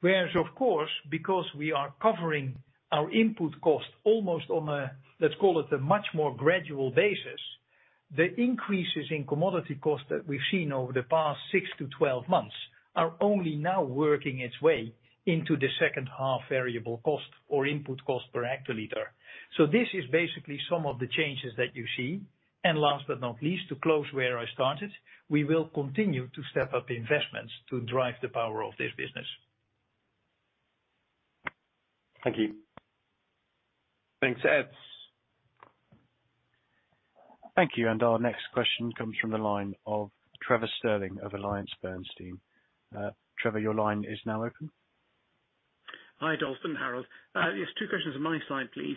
Whereas of course, because we are covering our input cost almost on a, let's call it a much more gradual basis, the increases in commodity costs that we've seen over the past 6-12 months are only now working its way into the second half variable cost or input cost per hectoliter. This is basically some of the changes that you see. Last but not least, to close where I started, we will continue to step up investments to drive the power of this business. Thank you. Thanks, Ed. Thank you. Our next question comes from the line of Trevor Stirling of AllianceBernstein. Trevor, your line is now open. Hi, Dolf and Harold. Yes, two questions on my side, please.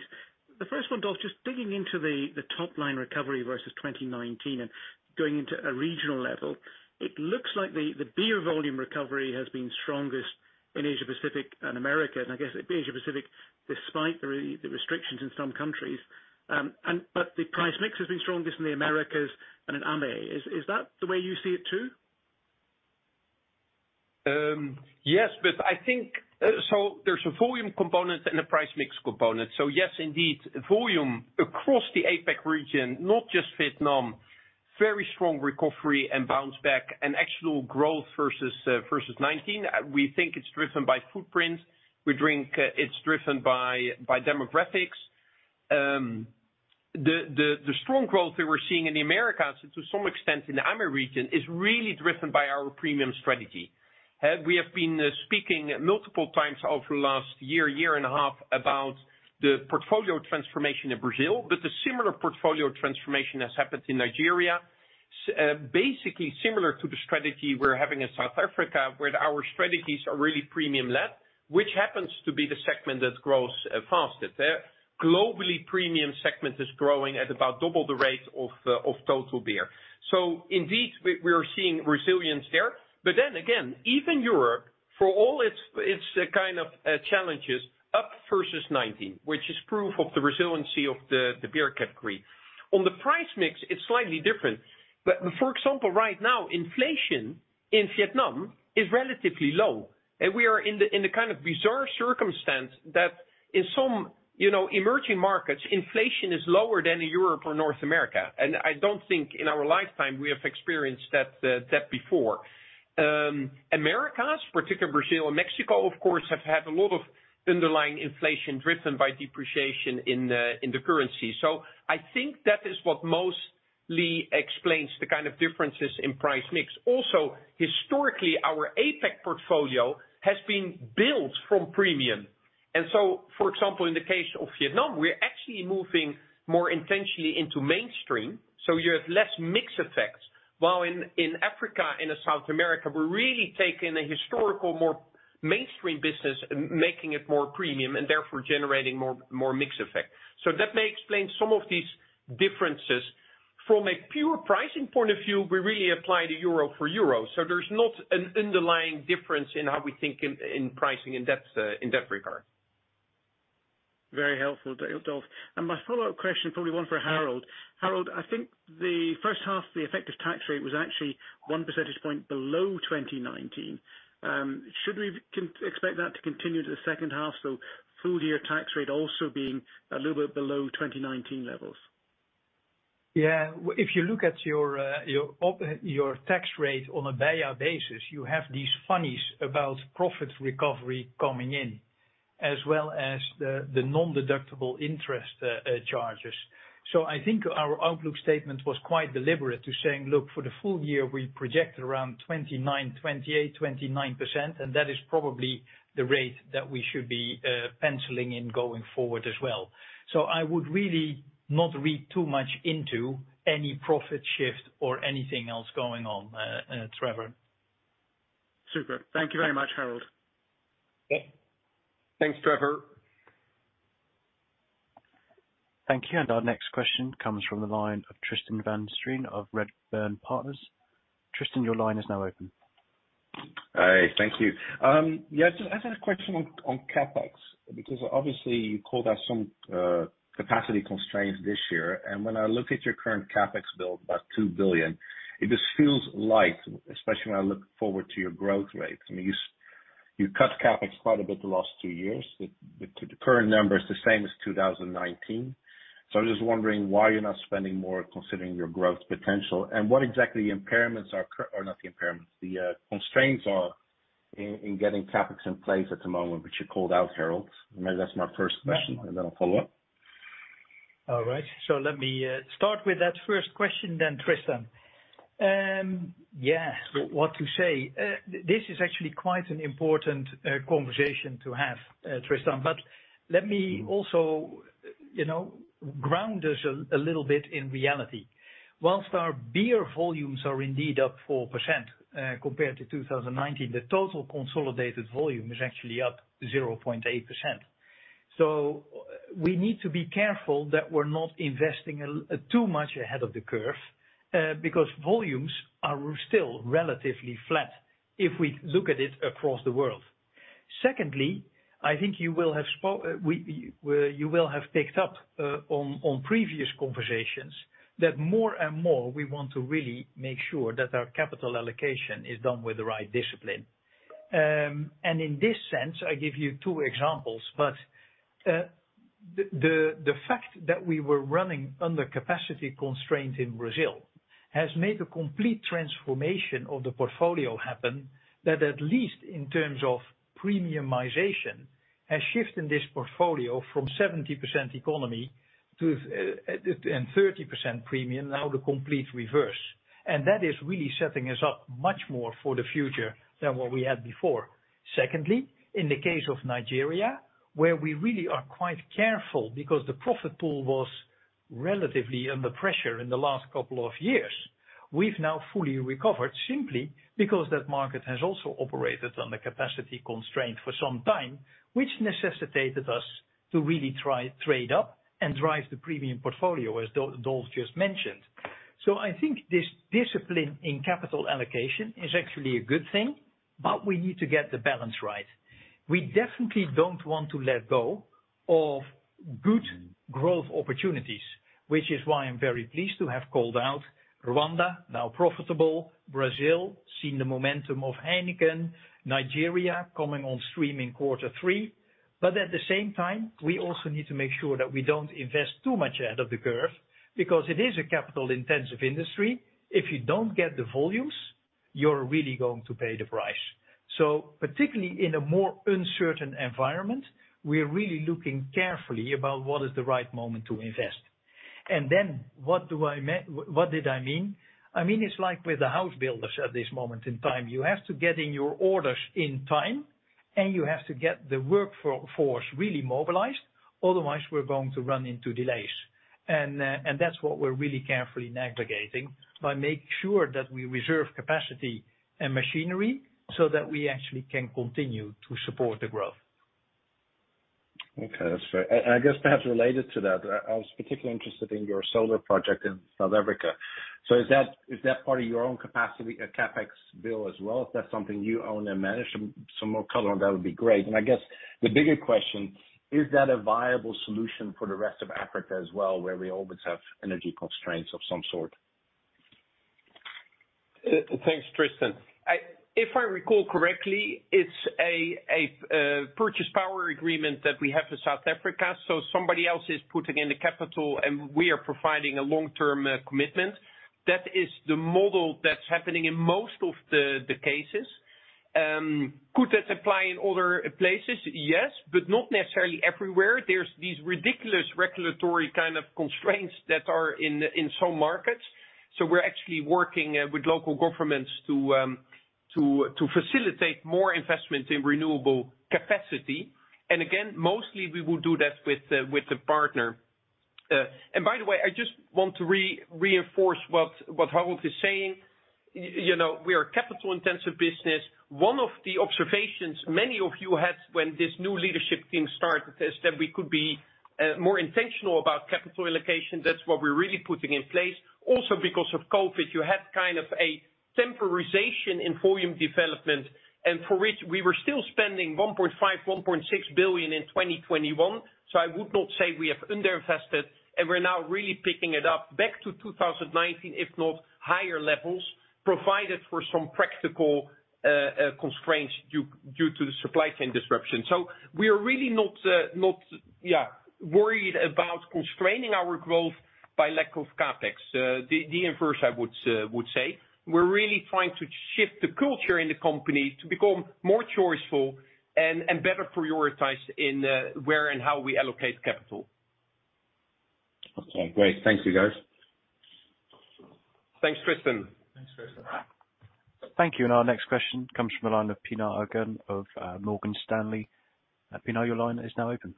The first one, Dolf, just digging into the top-line recovery versus 2019 and going into a regional level, it looks like the beer volume recovery has been strongest in Asia-Pacific and Americas, and I guess Asia-Pacific, despite the restrictions in some countries. But the price mix has been strongest in the Americas and in AME. Is that the way you see it too? Yes, but I think there's a volume component and a price mix component. Yes, indeed, volume across the APAC region, not just Vietnam, very strong recovery and bounce back and actual growth versus 2019. We think it's driven by footprint. We think it's driven by demographics. The strong growth that we're seeing in the Americas to some extent in the AME region is really driven by our premium strategy. We have been speaking multiple times over the last year and a half about the portfolio transformation in Brazil, but the similar portfolio transformation has happened in Nigeria. Basically similar to the strategy we're having in South Africa, where our strategies are really premium-led, which happens to be the segment that grows fastest. Globally, premium segment is growing at about double the rate of total beer. Indeed, we're seeing resilience there. Then again, even Europe, for all its kind of challenges, up versus 2019, which is proof of the resiliency of the beer category. On the price mix, it's slightly different. For example, right now inflation in Vietnam is relatively low. We are in the kind of bizarre circumstance that in some, you know, emerging markets, inflation is lower than in Europe or North America. I don't think in our lifetime we have experienced that before. Americas, particularly Brazil and Mexico, of course, have had a lot of underlying inflation driven by depreciation in the currency. I think that is what mostly explains the kind of differences in price mix. Also, historically, our APAC portfolio has been built from premium. For example, in the case of Vietnam, we're actually moving more intentionally into mainstream, so you have less mix effects. While in Africa and in South America, we're really taking a historical, more mainstream business and making it more premium, and therefore generating more mix effect. That may explain some of these differences. From a pure pricing point of view, we really apply the euro for euro. There's not an underlying difference in how we think in pricing in depth in that regard. Very helpful, Dolf. My follow-up question, probably one for Harold. Harold, I think the first half, the effective tax rate was actually 1 percentage point below 2019. Should we expect that to continue to the second half? Full year tax rate also being a little bit below 2019 levels. Yeah. If you look at your tax rate on a BEIA basis, you have these one-offs about profit recovery coming in, as well as the non-deductible interest charges. I think our outlook statement was quite deliberate in saying, "Look, for the full year, we project around 28%-29%," and that is probably the tax rate that we should be penciling in going forward as well. I would really not read too much into any profit shift or anything else going on, Trevor. Super. Thank you very much, Harold. Yeah. Thanks, Trevor. Thank you. Our next question comes from the line of Tristan van Strien of Redburn Partners. Tristan, your line is now open. Hi, thank you. Yes, I had a question on CapEx, because obviously you called out some capacity constraints this year. When I look at your current CapEx build, about 2 billion, it just feels light, especially when I look forward to your growth rate. I mean, you cut CapEx quite a bit the last two years. The current number is the same as 2019. I'm just wondering why you're not spending more considering your growth potential, and what exactly the impairments are or not the impairments, the constraints are in getting CapEx in place at the moment, which you called out, Harold. Maybe that's my first question, and then I'll follow up. All right. Let me start with that first question then, Tristan. What to say? This is actually quite an important conversation to have, Tristan. Let me also ground us a little bit in reality. While our beer volumes are indeed up 4%, compared to 2019, the total consolidated volume is actually up 0.8%. We need to be careful that we're not investing too much ahead of the curve, because volumes are still relatively flat if we look at it across the world. Secondly, I think you will have picked up on previous conversations that more and more we want to really make sure that our capital allocation is done with the right discipline. In this sense, I give you two examples. The fact that we were running under capacity constraints in Brazil has made a complete transformation of the portfolio happen that at least in terms of premiumization, a shift in this portfolio from 70% economy to 30% premium, now the complete reverse. That is really setting us up much more for the future than what we had before. Secondly, in the case of Nigeria, where we really are quite careful because the profit pool was relatively under pressure in the last couple of years. We've now fully recovered simply because that market has also operated under capacity constraint for some time, which necessitated us to really trade up and drive the premium portfolio, as Dolf just mentioned. I think this discipline in capital allocation is actually a good thing, but we need to get the balance right. We definitely don't want to let go of good growth opportunities, which is why I'm very pleased to have called out Rwanda, now profitable, Brazil, seeing the momentum of Heineken, Nigeria coming on stream in quarter three. At the same time, we also need to make sure that we don't invest too much ahead of the curve because it is a capital-intensive industry. If you don't get the volumes, you're really going to pay the price. Particularly in a more uncertain environment, we're really looking carefully about what is the right moment to invest. Then what did I mean? I mean, it's like with the house builders at this moment in time. You have to get in your orders in time, and you have to get the workforce really mobilized, otherwise we're going to run into delays. That's what we're really carefully navigating by making sure that we reserve capacity and machinery so that we actually can continue to support the growth. Okay, that's fair. I guess perhaps related to that, I was particularly interested in your solar project in South Africa. Is that part of your own capacity, CapEx bill as well? If that's something you own and manage, some more color on that would be great. I guess the bigger question, is that a viable solution for the rest of Africa as well, where we always have energy constraints of some sort? Thanks, Tristan. If I recall correctly, it's a power purchase agreement that we have for South Africa, so somebody else is putting in the capital, and we are providing a long-term commitment. That is the model that's happening in most of the cases. Could that apply in other places? Yes, but not necessarily everywhere. There's these ridiculous regulatory kind of constraints that are in some markets, so we're actually working with local governments to facilitate more investment in renewable capacity. Again, mostly we would do that with a partner. By the way, I just want to reinforce what Harold is saying. You know, we are a capital-intensive business. One of the observations many of you had when this new leadership team started is that we could be more intentional about capital allocation. That's what we're really putting in place. Also because of COVID, you had kind of a temporization in volume development, and for which we were still spending 1.5 billion, 1.6 billion in 2021. I would not say we have underinvested, and we're now really picking it up back to 2019, if not higher levels, provided for some practical constraints due to the supply chain disruption. We are really not worried about constraining our growth by lack of CapEx. The inverse, I would say. We're really trying to shift the culture in the company to become more choiceful and better prioritize in where and how we allocate capital. Okay, great. Thank you, guys. Thanks, Tristan. Thanks, Tristan. Thank you, and our next question comes from the line of Pinar Ergun of Morgan Stanley. Pinar, your line is now open.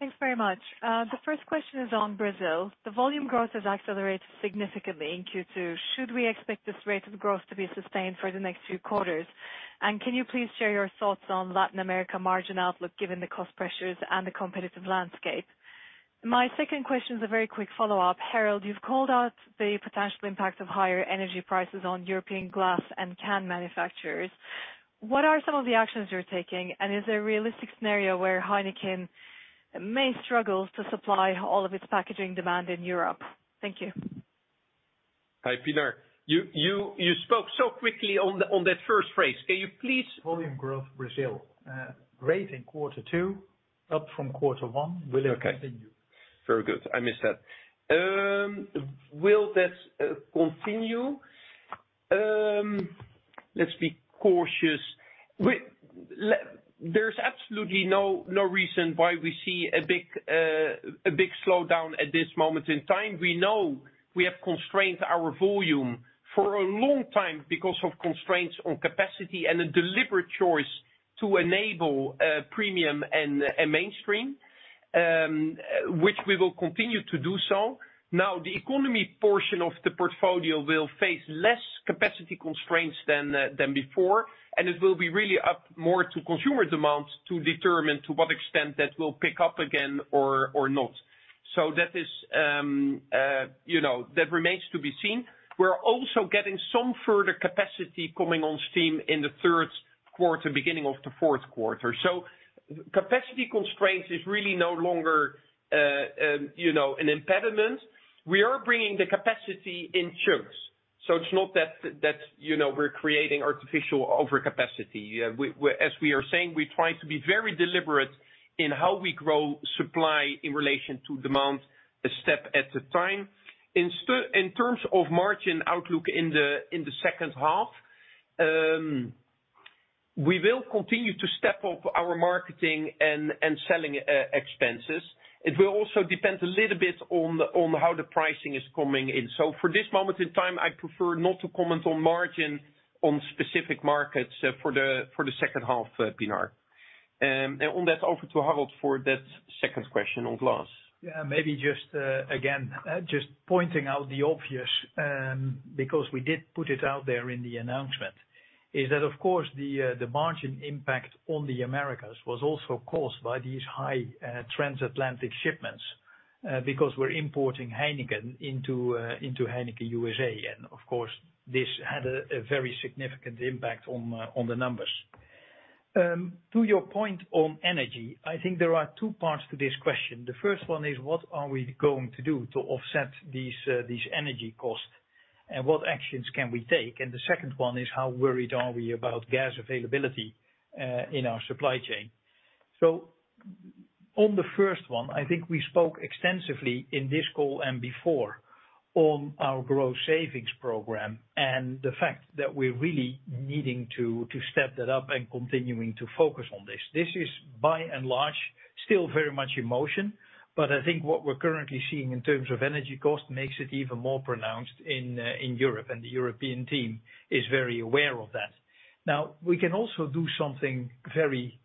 Thanks very much. The first question is on Brazil. The volume growth has accelerated significantly in Q2. Should we expect this rate of growth to be sustained for the next few quarters? Can you please share your thoughts on Latin America margin outlook, given the cost pressures and the competitive landscape? My second question is a very quick follow-up. Harold, you've called out the potential impact of higher energy prices on European glass and can manufacturers. What are some of the actions you're taking, and is there a realistic scenario where Heineken may struggle to supply all of its packaging demand in Europe? Thank you. Hi, Pinar. You spoke so quickly on the first phrase. Can you please? Volume growth Brazil. Great in quarter two, up from quarter one. Will it continue? Very good. I missed that. Will that continue? Let's be cautious. There's absolutely no reason why we see a big slowdown at this moment in time. We know we have constrained our volume for a long time because of constraints on capacity and a deliberate choice to enable premium and mainstream, which we will continue to do so. Now, the economy portion of the portfolio will face less capacity constraints than before, and it will be really up more to consumer demand to determine to what extent that will pick up again or not. That is, you know, that remains to be seen. We're also getting some further capacity coming on stream in the third quarter, beginning of the fourth quarter. Capacity constraints is really no longer, you know, an impediment. We are bringing the capacity in chunks, so it's not that, you know, we're creating artificial overcapacity. As we are saying, we try to be very deliberate in how we grow supply in relation to demand a step at a time. In terms of margin outlook in the second half, we will continue to step up our marketing and selling expenses. It will also depend a little bit on how the pricing is coming in. For this moment in time, I prefer not to comment on margin on specific markets for the second half, Pinar. On that, over to Harold for that second question on glass. Yeah, maybe just again just pointing out the obvious because we did put it out there in the announcement is that of course the margin impact on the Americas was also caused by these high transatlantic shipments. Because we're importing Heineken into Heineken USA and of course this had a very significant impact on the numbers. To your point on energy, I think there are two parts to this question. The first one is what are we going to do to offset these energy costs and what actions can we take? The second one is how worried are we about gas availability in our supply chain? On the first one, I think we spoke extensively in this call and before On our growth savings program and the fact that we're really needing to step that up and continuing to focus on this. This is by and large still very much in motion, but I think what we're currently seeing in terms of energy cost makes it even more pronounced in Europe, and the European team is very aware of that. Now, we can also do something very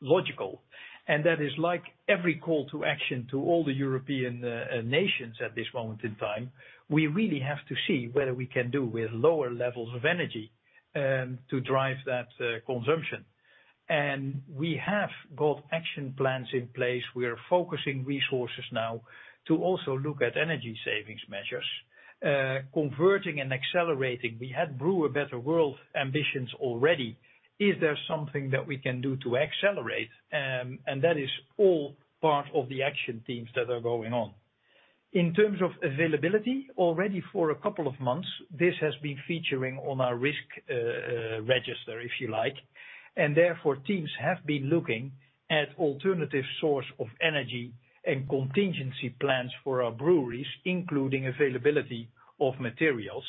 logical, and that is like every call to action to all the European nations at this moment in time. We really have to see whether we can do with lower levels of energy to drive that consumption. We have both action plans in place. We are focusing resources now to also look at energy savings measures, converting and accelerating. We had Brew a Better World ambitions already. Is there something that we can do to accelerate? That is all part of the action teams that are going on. In terms of availability, already for a couple of months, this has been featuring on our risk register, if you like. Therefore, teams have been looking at alternative source of energy and contingency plans for our breweries, including availability of materials.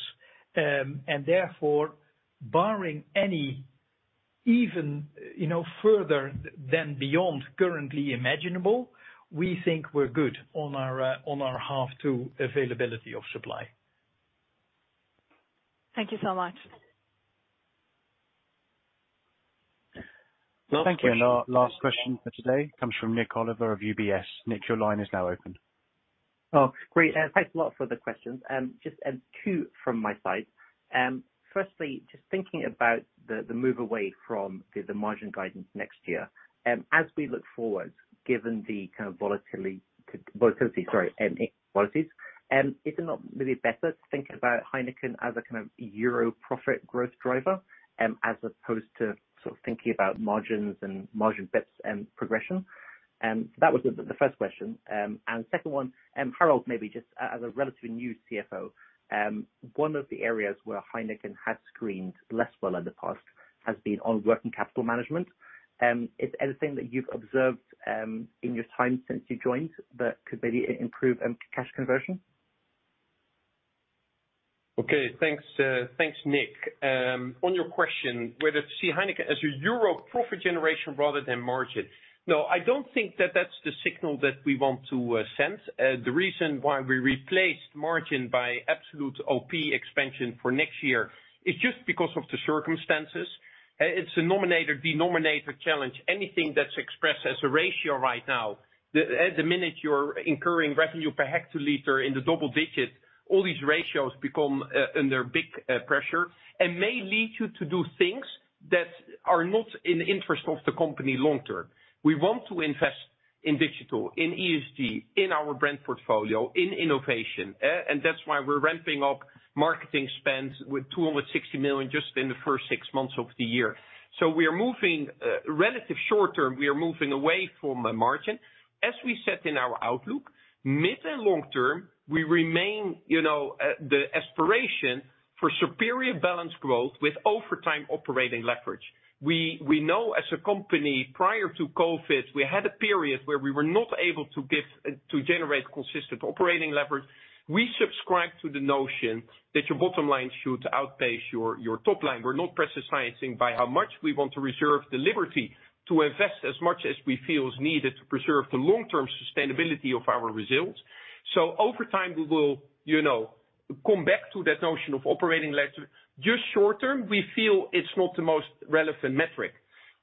Barring anything even further than beyond currently imaginable, we think we're good on our ability to availability of supply. Thank you so much. Thank you. Our last question for today comes from Nik Oliver of UBS. Nick, your line is now open. Oh, great. Thanks a lot for the questions. Just two from my side. Firstly, just thinking about the move away from the margin guidance next year. As we look forward, given the kind of volatility, sorry, policies, is it not maybe better to think about Heineken as a kind of euro profit growth driver, as opposed to sort of thinking about margins and margin bits and progression? That was the first question. Second one, Harold, maybe just as a relatively new CFO, one of the areas where Heineken has screened less well in the past has been on working capital management. Is there anything that you've observed in your time since you joined that could maybe improve cash conversion? Okay. Thanks, Nik. On your question, whether to see Heineken as a euro profit generation rather than margin. No, I don't think that's the signal that we want to send. The reason why we replaced margin by absolute OP expansion for next year is just because of the circumstances. It's a numerator, denominator challenge. Anything that's expressed as a ratio right now, the minute you're incurring revenue per hectoliter in the double digits, all these ratios become under big pressure and may lead you to do things that are not in the interest of the company long term. We want to invest in digital, in ESG, in our brand portfolio, in innovation. That's why we're ramping up marketing spends with 260 million just in the first six months of the year. We are moving away from the margin in the relatively short term. As we said in our outlook, mid- and long-term, we remain with the aspiration for superior balanced growth with, over time, operating leverage. We know as a company, prior to COVID, we had a period where we were not able to generate consistent operating leverage. We subscribe to the notion that your bottom line should outpace your top line. We're not specifying by how much we want to reserve the liberty to invest as much as we feel is needed to preserve the long-term sustainability of our results. Over time, we will come back to that notion of operating leverage. In the short term, we feel it's not the most relevant metric.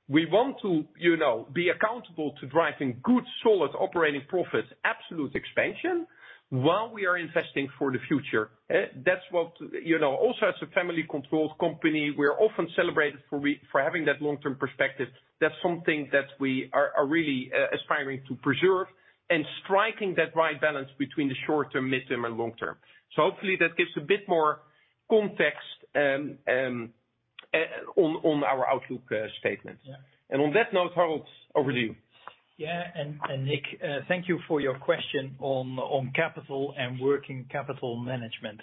We want to, you know, be accountable to driving good, solid operating profits, absolute expansion, while we are investing for the future. That's what, you know, also as a family-controlled company, we're often celebrated for having that long-term perspective. That's something that we are really aspiring to preserve and striking that right balance between the short-term, midterm, and long-term. Hopefully, that gives a bit more context on our outlook statement. Yeah. On that note, Harold, over to you. Nik, thank you for your question on capital and working capital management.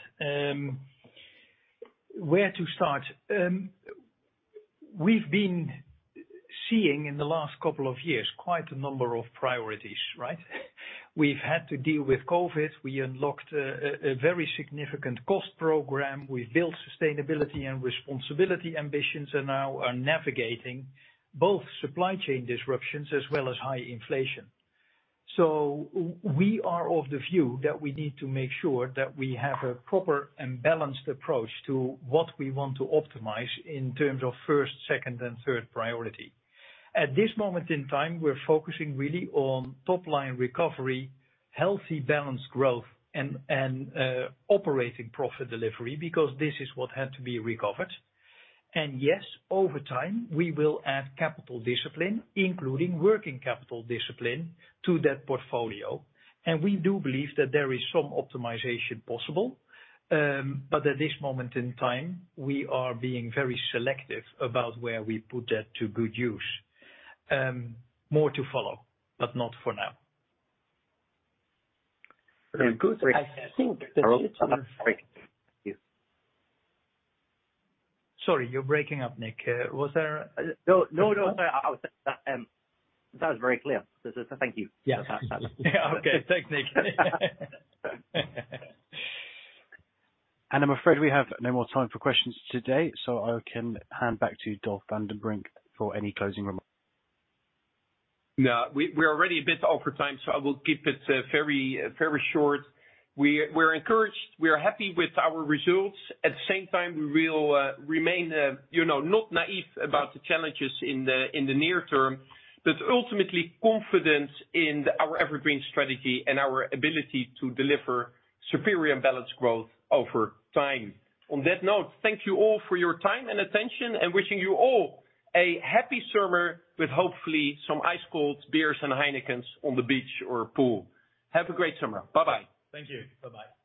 Where to start? We've been seeing in the last couple of years quite a number of priorities, right? We've had to deal with COVID. We unlocked a very significant cost program. We built sustainability and responsibility ambitions, and now are navigating both supply chain disruptions as well as high inflation. We are of the view that we need to make sure that we have a proper and balanced approach to what we want to optimize in terms of first, second, and third priority. At this moment in time, we're focusing really on top-line recovery, healthy, balanced growth, and operating profit delivery, because this is what had to be recovered. Yes, over time, we will add capital discipline, including working capital discipline to that portfolio. We do believe that there is some optimization possible. At this moment in time, we are being very selective about where we put that to good use. More to follow, but not for now. Very good. I think that it's. Harold? Nik? Sorry, you're breaking up, Nik. Was there No, no. That was very clear. Thank you. Yeah. That's- Yeah. Okay. Thanks, Nik. I'm afraid we have no more time for questions today, so I can hand back to Dolf van den Brink for any closing remarks. No, we're already a bit over time, so I will keep it very, very short. We're encouraged. We are happy with our results. At the same time, we will remain, you know, not naive about the challenges in the near term, but ultimately confidence in our EverGreen strategy and our ability to deliver superior and balanced growth over time. On that note, thank you all for your time and attention, and wishing you all a happy summer with hopefully some ice-cold beers and Heinekens on the beach or pool. Have a great summer. Bye-bye. Thank you. Bye-bye.